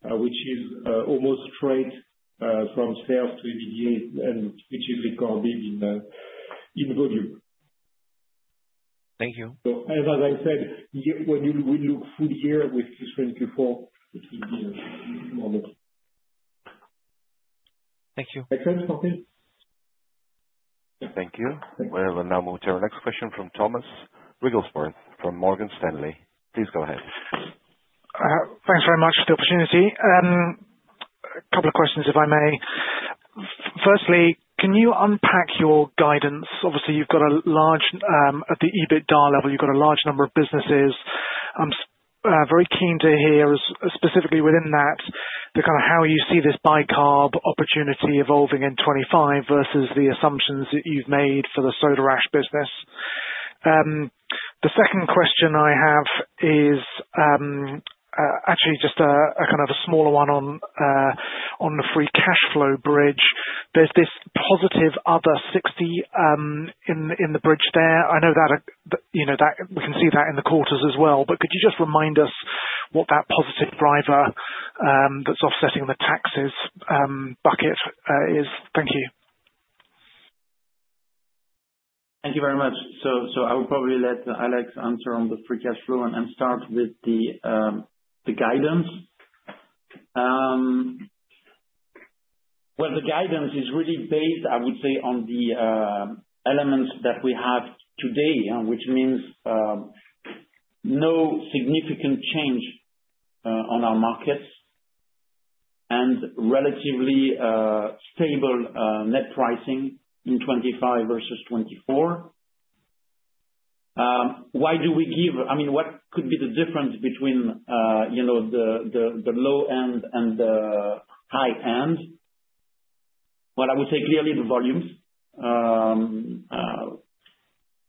which is almost straight from sales to EBITDA, which is recorded in volume. Thank you. So as I said, when we look full year with different reports, it's easier. Thank you. Thank you. We'll now move to our next question from Thomas Wrigglesworth from Morgan Stanley. Please go ahead. Thanks very much for the opportunity. A couple of questions, if I may. Firstly, can you unpack your guidance? Obviously, you've got a large at the EBITDA level, you've got a large number of businesses. I'm very keen to hear specifically within that, kind of how you see this Bicar opportunity evolving in 2025 versus the assumptions that you've made for the soda ash business. The second question I have is actually just a kind of a smaller one on the free cash flow bridge. There's this positive other 60 in the bridge there. I know that we can see that in the quarters as well, but could you just remind us what that positive driver that's offsetting the taxes bucket is? Thank you. Thank you very much. So I will probably let Alex answer on the free cash flow and start with the guidance. Well, the guidance is really based, I would say, on the elements that we have today, which means no significant change on our markets and relatively stable net pricing in 25 versus 24. Why do we give, I mean, what could be the difference between the low end and the high end? Well, I would say clearly the volumes.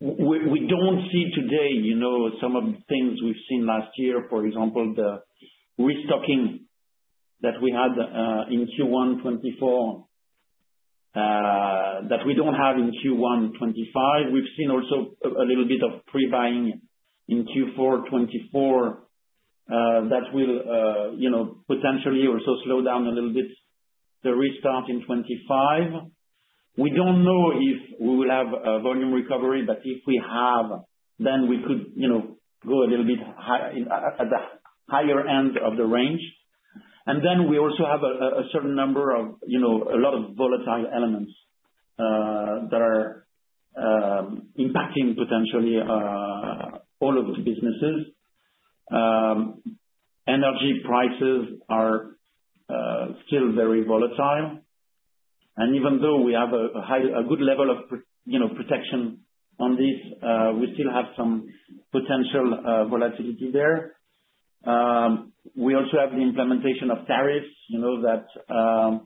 We don't see today some of the things we've seen last year, for example, the restocking that we had in Q1 2024 that we don't have in Q1 2025. We've seen also a little bit of pre-buying in Q4 2024 that will potentially also slow down a little bit the restart in 2025. We don't know if we will have volume recovery, but if we have, then we could go a little bit higher at the higher end of the range. And then we also have a certain number of a lot of volatile elements that are impacting potentially all of the businesses. Energy prices are still very volatile. And even though we have a good level of protection on these, we still have some potential volatility there. We also have the implementation of tariffs that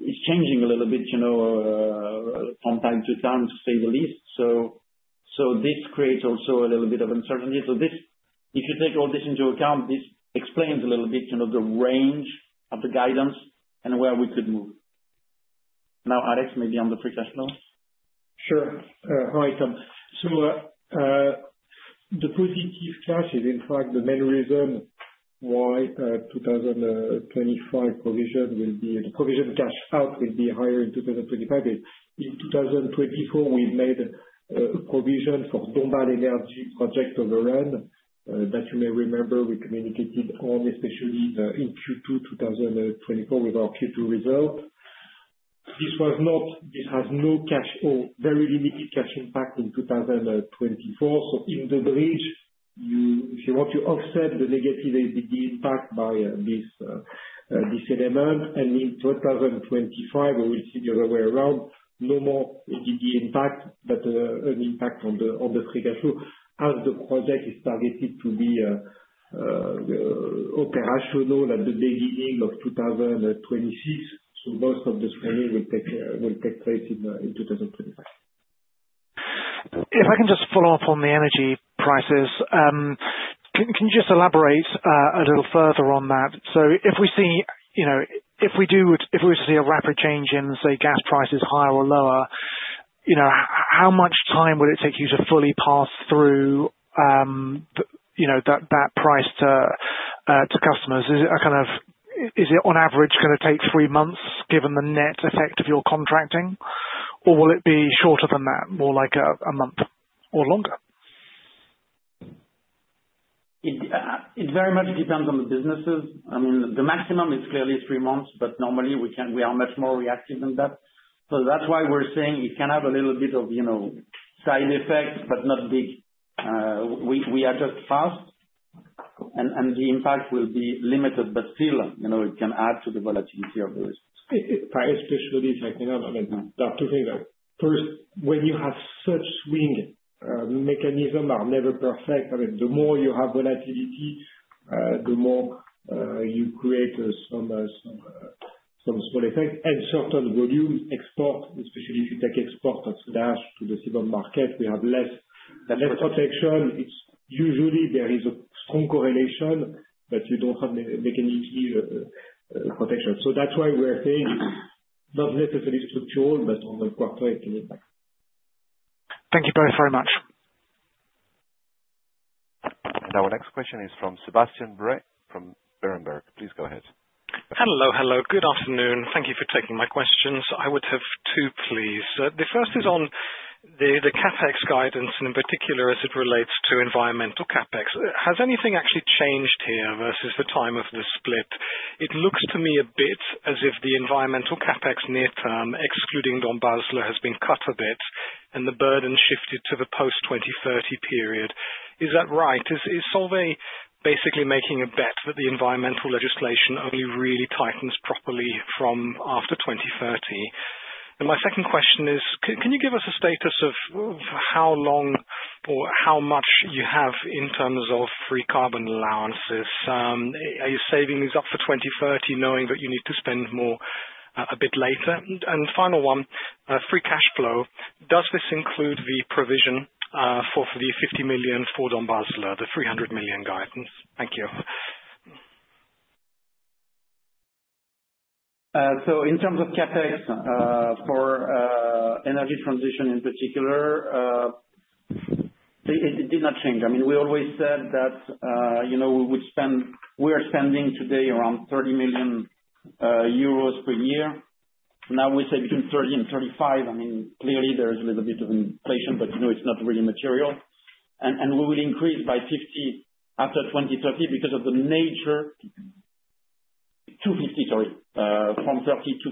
is changing a little bit from time to time, to say the least. So this creates also a little bit of uncertainty. So if you take all this into account, this explains a little bit the range of the guidance and where we could move. Now, Alex, maybe on the professional. Sure. Hi, Tom. So the positive flash is, in fact, the main reason why the 2025 provision, the provision cash out, will be higher in 2025. In 2024, we've made a provision for Dombasle energy project overrun that you may remember we communicated on, especially in Q2 2024 with our Q2 result. This was not. This has no cash or very limited cash impact in 2024. In the bridge, if you want to offset the negative EBITDA impact by this element, and in 2025, we will see the other way around, no more EBITDA impact, but an impact on the free cash flow as the project is targeted to be operational at the beginning of 2026. Most of the training will take place in 2025. If I can just follow up on the energy prices, can you just elaborate a little further on that? If we see, if we were to see a rapid change in, say, gas prices higher or lower, how much time would it take you to fully pass through that price to customers? Is it kind of, is it on average going to take three months given the net effect of your contracting, or will it be shorter than that, more like a month or longer? It very much depends on the businesses. I mean, the maximum is clearly three months, but normally we are much more reactive than that. So that's why we're saying it can have a little bit of side effects, but not big. We are just fast, and the impact will be limited, but still, it can add to the volatility of the risk. Especially if you're thinking of, I mean, the first, when you have such swing mechanisms are never perfect. I mean, the more you have volatility, the more you create some small effects. And short-term volume exports, especially if you take exports of gas to the Tibet market, we have less protection. Usually, there is a strong correlation, but you don't have the mechanical protection. So that's why we're saying it's not necessarily structural, but on the quarterly impact. Thank you both very much. Our next question is from Sebastian Bray from Berenberg. Please go ahead. Hello, hello. Good afternoon. Thank you for taking my questions. I would have two, please. The first is on the CapEx guidance, and in particular, as it relates to environmental CapEx. Has anything actually changed here versus the time of the split? It looks to me a bit as if the environmental CapEx near-term, excluding Dombasle, has been cut a bit, and the burden shifted to the post-2030 period. Is that right? Is Solvay basically making a bet that the environmental legislation only really tightens properly from after 2030? And my second question is, can you give us a status of how long or how much you have in terms of free carbon allowances? Are you saving these up for 2030, knowing that you need to spend more a bit later? And final one, free cash flow, does this include the provision for the 50 million for Dombasle, the 300 million guidance? Thank you. So in terms of CapEx for energy transition in particular, it did not change. I mean, we always said that we would spend, we are spending today around 30 million euros per year. Now we say between 30 million and 35 million. I mean, clearly there is a little bit of inflation, but it's not really material. And we will increase by 50 after 2030 because of the nature to 50, sorry, from 30 to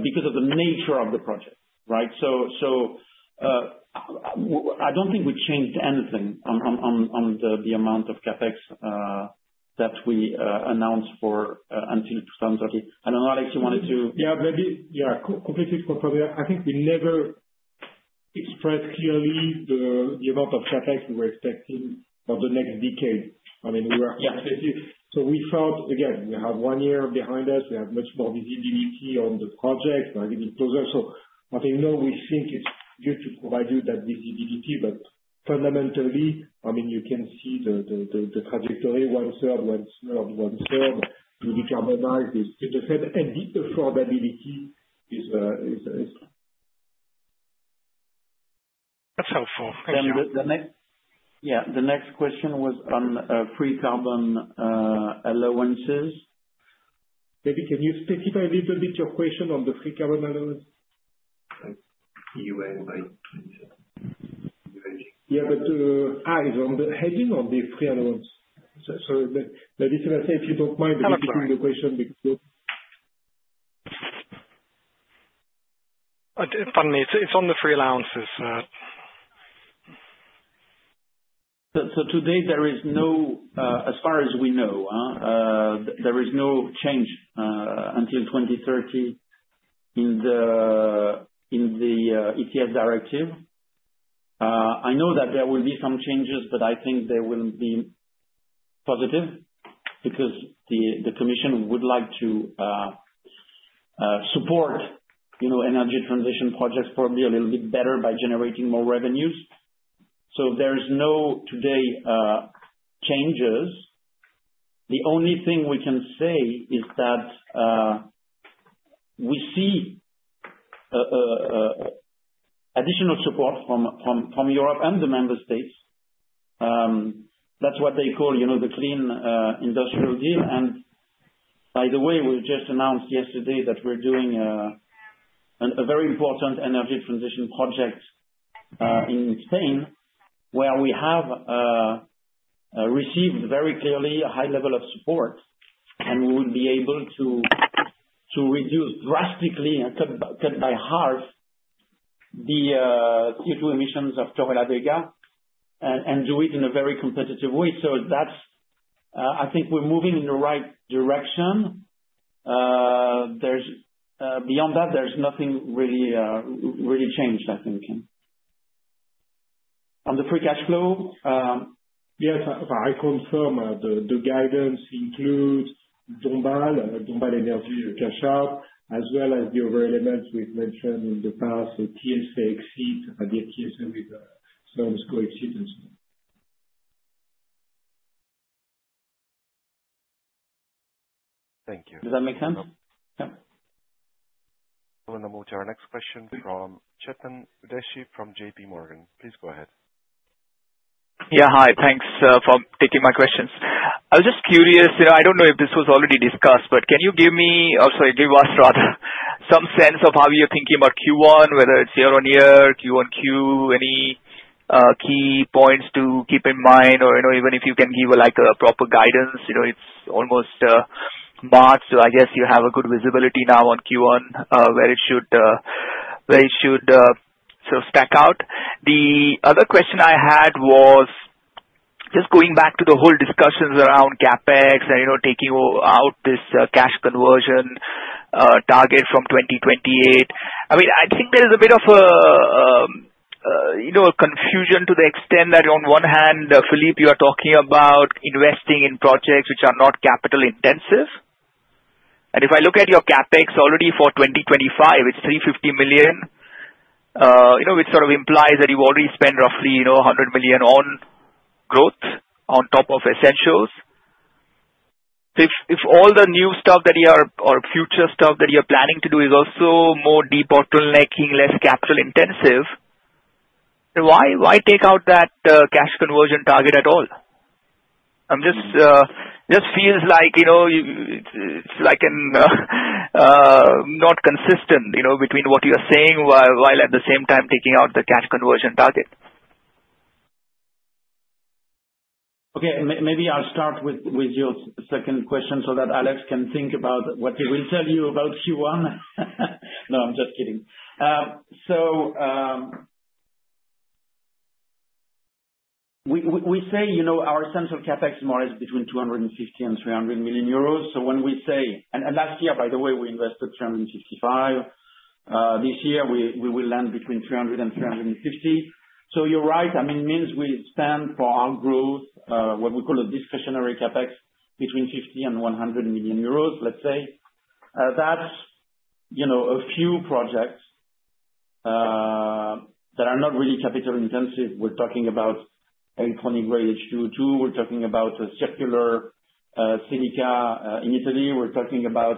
50 because of the nature of the project, right? So I don't think we changed anything on the amount of CapEx that we announced for until 2030. I don't know, Alex, you wanted to. Yeah, maybe yeah, completely agree, probably. I think we never expressed clearly the amount of CapEx we were expecting for the next decade. I mean, we were, so we felt. Again, we have one year behind us. We have much more visibility on the project. I think it's closer. So, what I know, we think it's good to provide you that visibility, but fundamentally, I mean, you can see the trajectory: one-third, one-third, one-third; the decarbonized, and indeed the affordability is. That's helpful. Yeah, the next question was on free carbon allowances. Maybe can you specify a little bit your question on the free carbon allowance? You went by. Yeah, but it's on the heading or the free allowance? Sorry, maybe if you don't mind repeating the question. Pardon me, it's on the free allowances. Today, there is no, as far as we know, there is no change until 2030 in the ETS directive. I know that there will be some changes, but I think they will be positive because the commission would like to support energy transition projects probably a little bit better by generating more revenues. There's no changes today. The only thing we can say is that we see additional support from Europe and the member states. That's what they call the Clean Industrial Deal. By the way, we just announced yesterday that we're doing a very important energy transition project in Spain where we have received very clearly a high level of support, and we would be able to reduce drastically, cut by half, the CO2 emissions of Torrelavega and do it in a very competitive way. I think we're moving in the right direction. Beyond that, there's nothing really changed, I think. On the free cash flow. Yeah, I confirm the guidance includes Dombasle, Dombasle Energy Cash Out, as well as the other elements we've mentioned in the past, TLC, TLC, and TLC with small-scale exceedance. Thank you. Does that make sense? We'll now move to our next question from Chetan Udeshi from J.P. Morgan. Please go ahead. Yeah, hi, thanks for taking my questions. I was just curious, I don't know if this was already discussed, but can you give me, or sorry, give us rather, some sense of how you're thinking about Q1, whether it's year on year, Q1Q, any key points to keep in mind, or even if you can give a proper guidance. It's almost March, so I guess you have a good visibility now on Q1, where it should sort of stack out. The other question I had was just going back to the whole discussions around CapEx and taking out this cash conversion target from 2028. I mean, I think there is a bit of a confusion to the extent that on one hand, Philippe, you are talking about investing in projects which are not capital-intensive, and if I look at your CapEx already for 2025, it's 350 million, which sort of implies that you've already spent roughly 100 million on growth on top of essentials. If all the new stuff that you are or future stuff that you're planning to do is also more debottlenecking, less capital-intensive, why take out that cash conversion target at all? It just feels like it's like not consistent between what you're saying while at the same time taking out the cash conversion target. Okay, maybe I'll start with your second question so that Alex can think about what he will tell you about Q1. No, I'm just kidding. So we say our essential CapEx more is between 250 million and 300 million euros. So when we say, and last year, by the way, we invested 355 million. This year, we will land between 300 million and 350 million. So you're right. I mean, it means we stand for our growth, what we call a discretionary CapEx between 50 million and 100 million euros, let's say. That's a few projects that are not really capital-intensive. We're talking about an electronic-grade H2O2. We're talking about a circular silica in Italy. We're talking about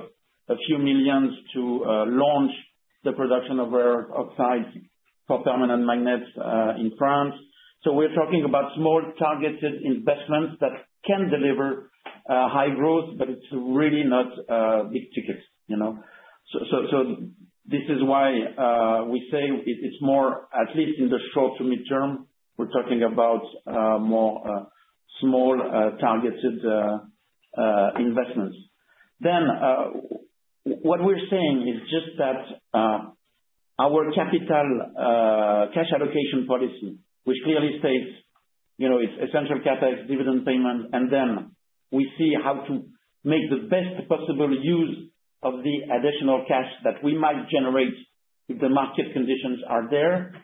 a few million to launch the production of rare earth oxides for permanent magnets in France. So we're talking about small targeted investments that can deliver high growth, but it's really not big tickets. This is why we say it's more, at least in the short- to mid-term, we're talking about more small targeted investments. Then what we're saying is just that our capital cash allocation policy, which clearly states it's essential CapEx, dividend payments, and then we see how to make the best possible use of the additional cash that we might generate if the market conditions are there,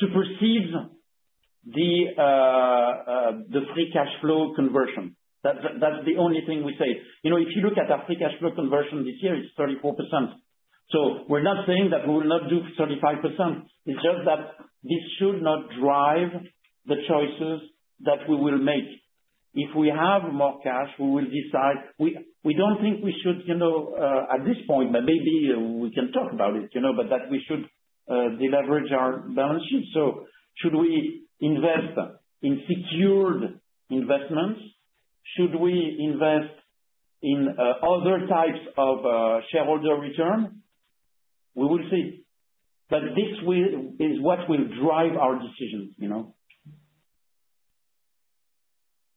supersedes the free cash flow conversion. That's the only thing we say. If you look at our free cash flow conversion this year, it's 34%. We're not saying that we will not do 35%. It's just that this should not drive the choices that we will make. If we have more cash, we will decide. We don't think we should, at this point, but maybe we can talk about it, but that we should deleverage our balance sheet. So should we invest in secured investments? Should we invest in other types of shareholder return? We will see. But this is what will drive our decisions.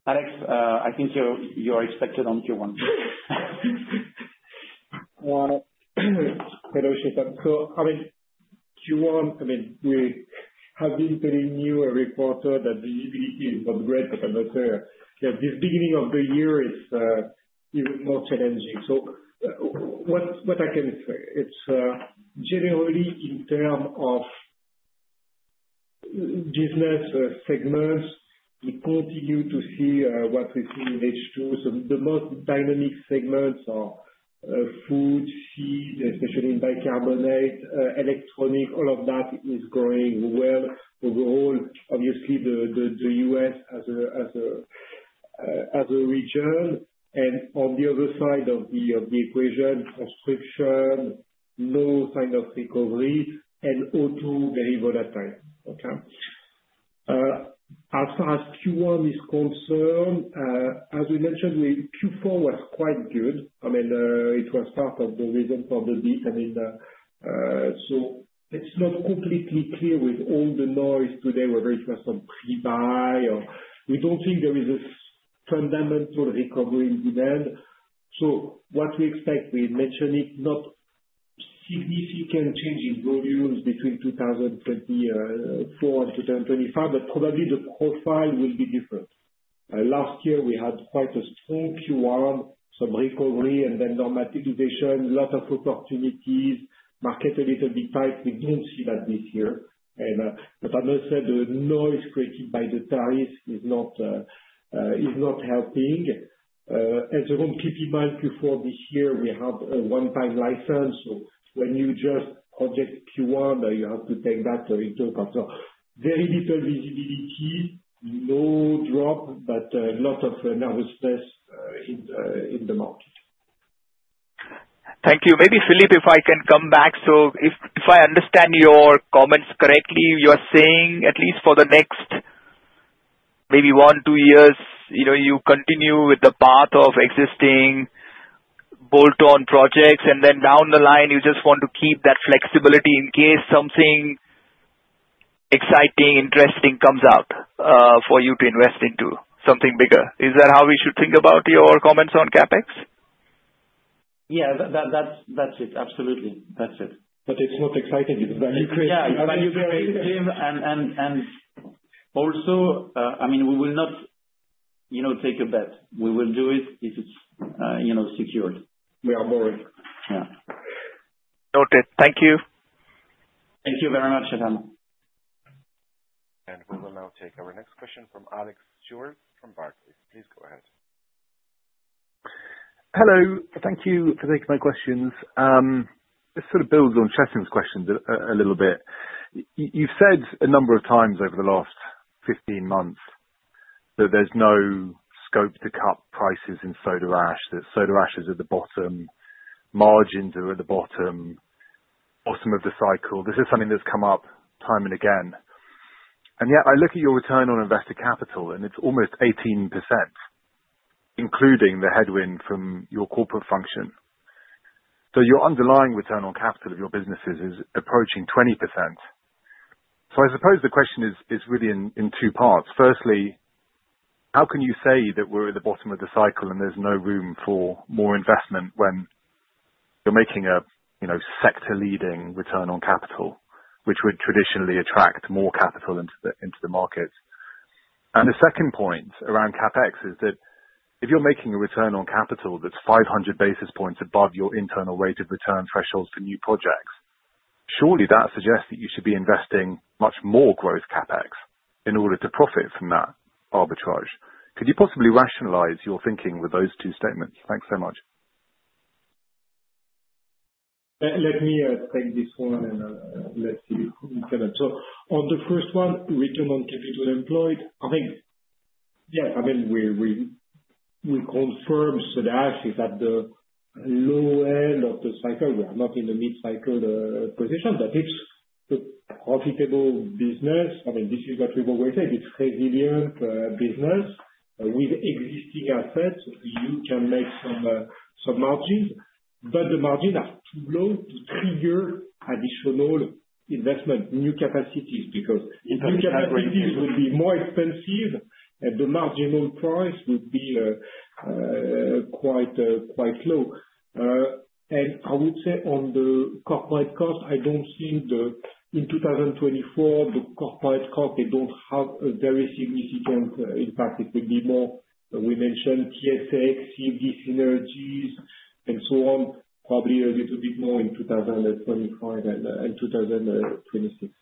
Alex, I think you're expected on Q1. So I mean, Q1, we have been telling you for a while that the outlook for the year, yeah, this beginning of the year is even more challenging. So what I can say, it's generally in terms of business segments, we continue to see what we see in H2. So the most dynamic segments are food, feed, especially in bicarbonate, electronics, all of that is growing well overall. Obviously, the U.S. as a region. And on the other side of the equation, construction, no sign of recovery, and auto, very volatile. Okay? As far as Q1 is concerned, as we mentioned, Q4 was quite good. I mean, it was part of the reason for the beat. I mean, so it's not completely clear with all the noise today, whether it was from buyers or we don't think there is a fundamental recovery in demand. So what we expect, we mentioned it, not significant change in volumes between 2024 and 2025, but probably the profile will be different. Last year, we had quite a strange Q1, some recovery, and then normalization, a lot of opportunities, market a little bit tight. We didn't see that this year. And as I said, the noise created by the tariffs is not helping. As for the demand in Q4 this year, we had a one-time license. So when you just adjust Q1, you have to take that into account. So very little visibility, no drop, but a lot of nervousness in the market. Thank you. Maybe Philippe, if I can come back. So if I understand your comments correctly, you're saying at least for the next maybe one, two years, you continue with the path of existing bolt-on projects, and then down the line, you just want to keep that flexibility in case something exciting, interesting comes out for you to invest into something bigger. Is that how we should think about your comments on CapEx? Yeah, that's it. Absolutely. That's it. But it's not exciting because value creative. And also, I mean, we will not take a bet. We will do it if it's secured. We are bored. Yeah. Noted. Thank you. Thank you very much, Chetan. And we will now take our next question from Alex Stewart from Barclays. Please go ahead. Hello. Thank you for taking my questions. This sort of builds on Chetan's question a little bit. You've said a number of times over the last 15 months that there's no scope to cut prices in soda ash, that soda ash is at the bottom, margins are at the bottom, bottom of the cycle. This is something that's come up time and again. And yet, I look at your return on investor capital, and it's almost 18%, including the headwind from your corporate function. So your underlying return on capital of your businesses is approaching 20%. So I suppose the question is really in two parts. Firstly, how can you say that we're at the bottom of the cycle and there's no room for more investment when you're making a sector-leading return on capital, which would traditionally attract more capital into the markets? And the second point around CapEx is that if you're making a return on capital that's 500 basis points above your internal rate of return thresholds for new projects, surely that suggests that you should be investing much more growth CapEx in order to profit from that arbitrage. Could you possibly rationalize your thinking with those two statements? Thanks so much. Let me take this one and let's see if we can. So on the first one, return on capital employed, I mean, yes, I mean, we confirm soda ash is at the low end of the cycle. We are not in the mid-cycle position, but it's a profitable business. I mean, this is what we've always said. It's a resilient business with existing assets. You can make some margins, but the margins are low to trigger additional investment, new capacities, because new capacities would be more expensive and the marginal price would be quite low. And I would say on the corporate cost, I don't see in 2024 the corporate cost. They don't have a very significant impact. It could be more. We mentioned TSA, CFD synergies, and so on, probably a little bit more in 2025 and 2026.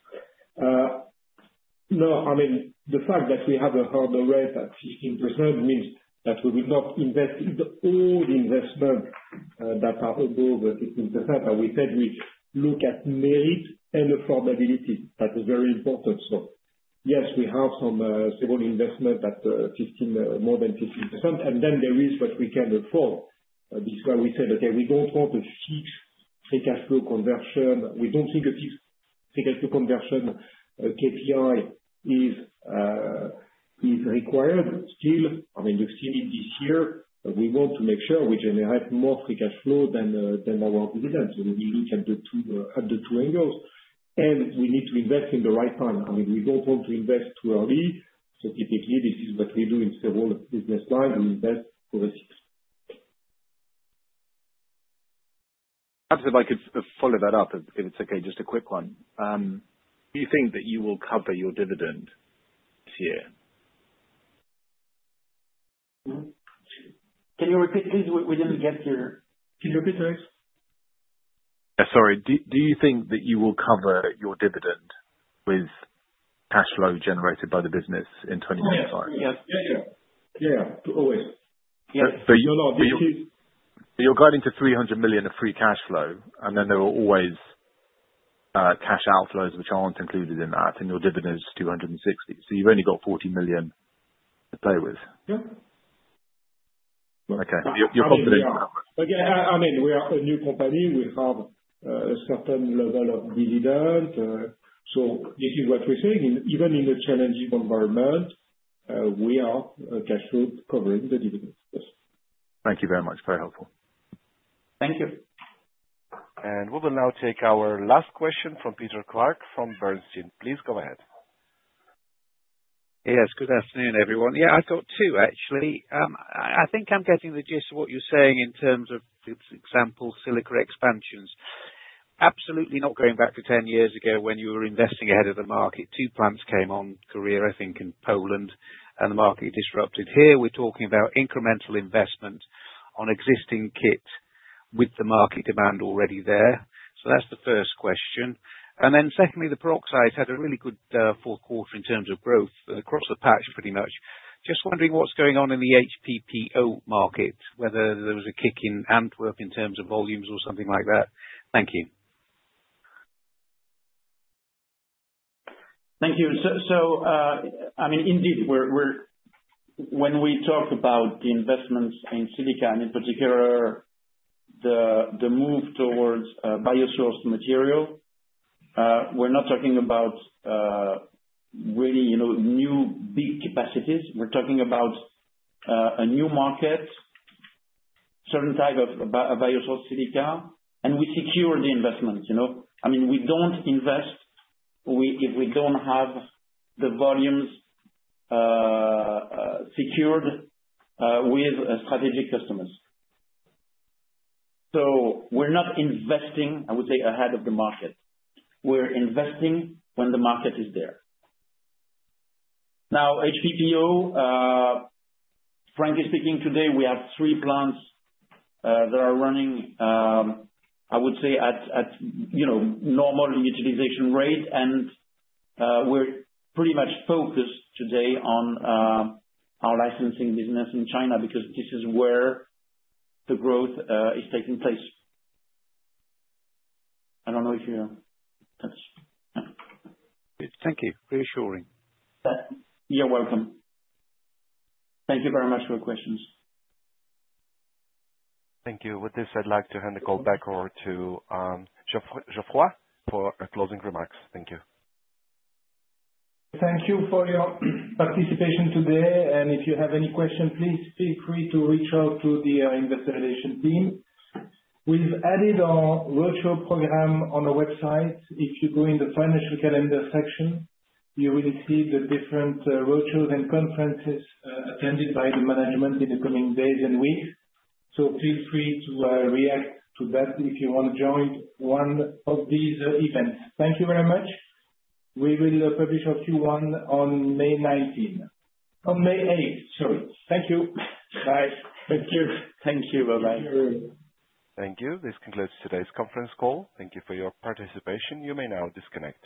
No, I mean, the fact that we have a hurdle rate at 15% means that we would not invest in the investments that are above 15%. As we said, we look at merits and affordability. That is very important. So yes, we have some stable investments at more than 15%. And then there is what we can afford. This is why we said, okay, we don't want a fixed free cash flow conversion. We don't think a free cash flow conversion KPI is required still. I mean, you've seen it this year. We want to make sure we generate more free cash flow than our dividends. We look at the two angles, and we need to invest in the right time. I mean, we don't want to invest too early, so typically, this is what we do in several business lines. We invest for the seat. I'd like to follow that up. It's okay, just a quick one. Do you think that you will cover your dividend this year? Can you repeat this? We didn't get you. Can you repeat this? Sorry. Do you think that you will cover your dividend with cash flow generated by the business in 2025? Yes. Yeah. Yeah. Always. So you're guiding to 300 million of free cash flow, and then there are always cash outflows which aren't included in that, and your dividend is 260 million. So you've only got 40 million to play with. Okay. You're confident. Again, I mean, we are a new company. We have a certain level of dividend. So this is what we're saying. Even in a challenging environment, we are cash flow covering the dividends. Thank you very much. Very helpful. Thank you. And we will now take our last question from Peter Clark from Bernstein. Please go ahead. Yes. Good afternoon, everyone. Yeah, I've got two, actually. I think I'm getting the gist of what you're saying in terms of, for example, silica expansions. Absolutely not going back to 10 years ago when you were investing ahead of the market. Two plants came on stream, I think, in Poland, and the market disrupted. Here, we're talking about incremental investment on existing kit with the market demand already there. So that's the first question. And then secondly, the peroxides had a really good fourth quarter in terms of growth across the board, pretty much. Just wondering what's going on in the HPPO market, whether there was a kick in Antwerp in terms of volumes or something like that. Thank you. Thank you. So I mean, indeed, when we talk about the investments in silica, and in particular, the move towards bio-sourced material, we're not talking about really new big capacities. We're talking about a new market, certain type of bio-sourced silica, and we secure the investment. I mean, we don't invest if we don't have the volumes secured with strategic customers. So we're not investing, I would say, ahead of the market. We're investing when the market is there. Now, HPPO, frankly speaking, today, we have three plants that are running, I would say, at normal utilization rate, and we're pretty much focused today on our licensing business in China because this is where the growth is taking place. I don't know if you know. Thank you. Reassuring. You're welcome. Thank you very much for your questions. Thank you. With this, I'd like to hand the call back over to Geoffroy for closing remarks. Thank you. Thank you for your participation today, and if you have any questions, please feel free to reach out to the investor relations team. We've added a virtual program on our website. If you go in the financial calendar section, you will see the different virtual event conferences attended by the management in the coming days and weeks. So feel free to react to that if you want to join one of these events. Thank you very much. We will publish a Q1 on May 19. On May 8, sorry. Thank you. Bye. Thank you. Thank you. Bye-bye. Thank you. This concludes today's conference call. Thank you for your participation. You may now disconnect.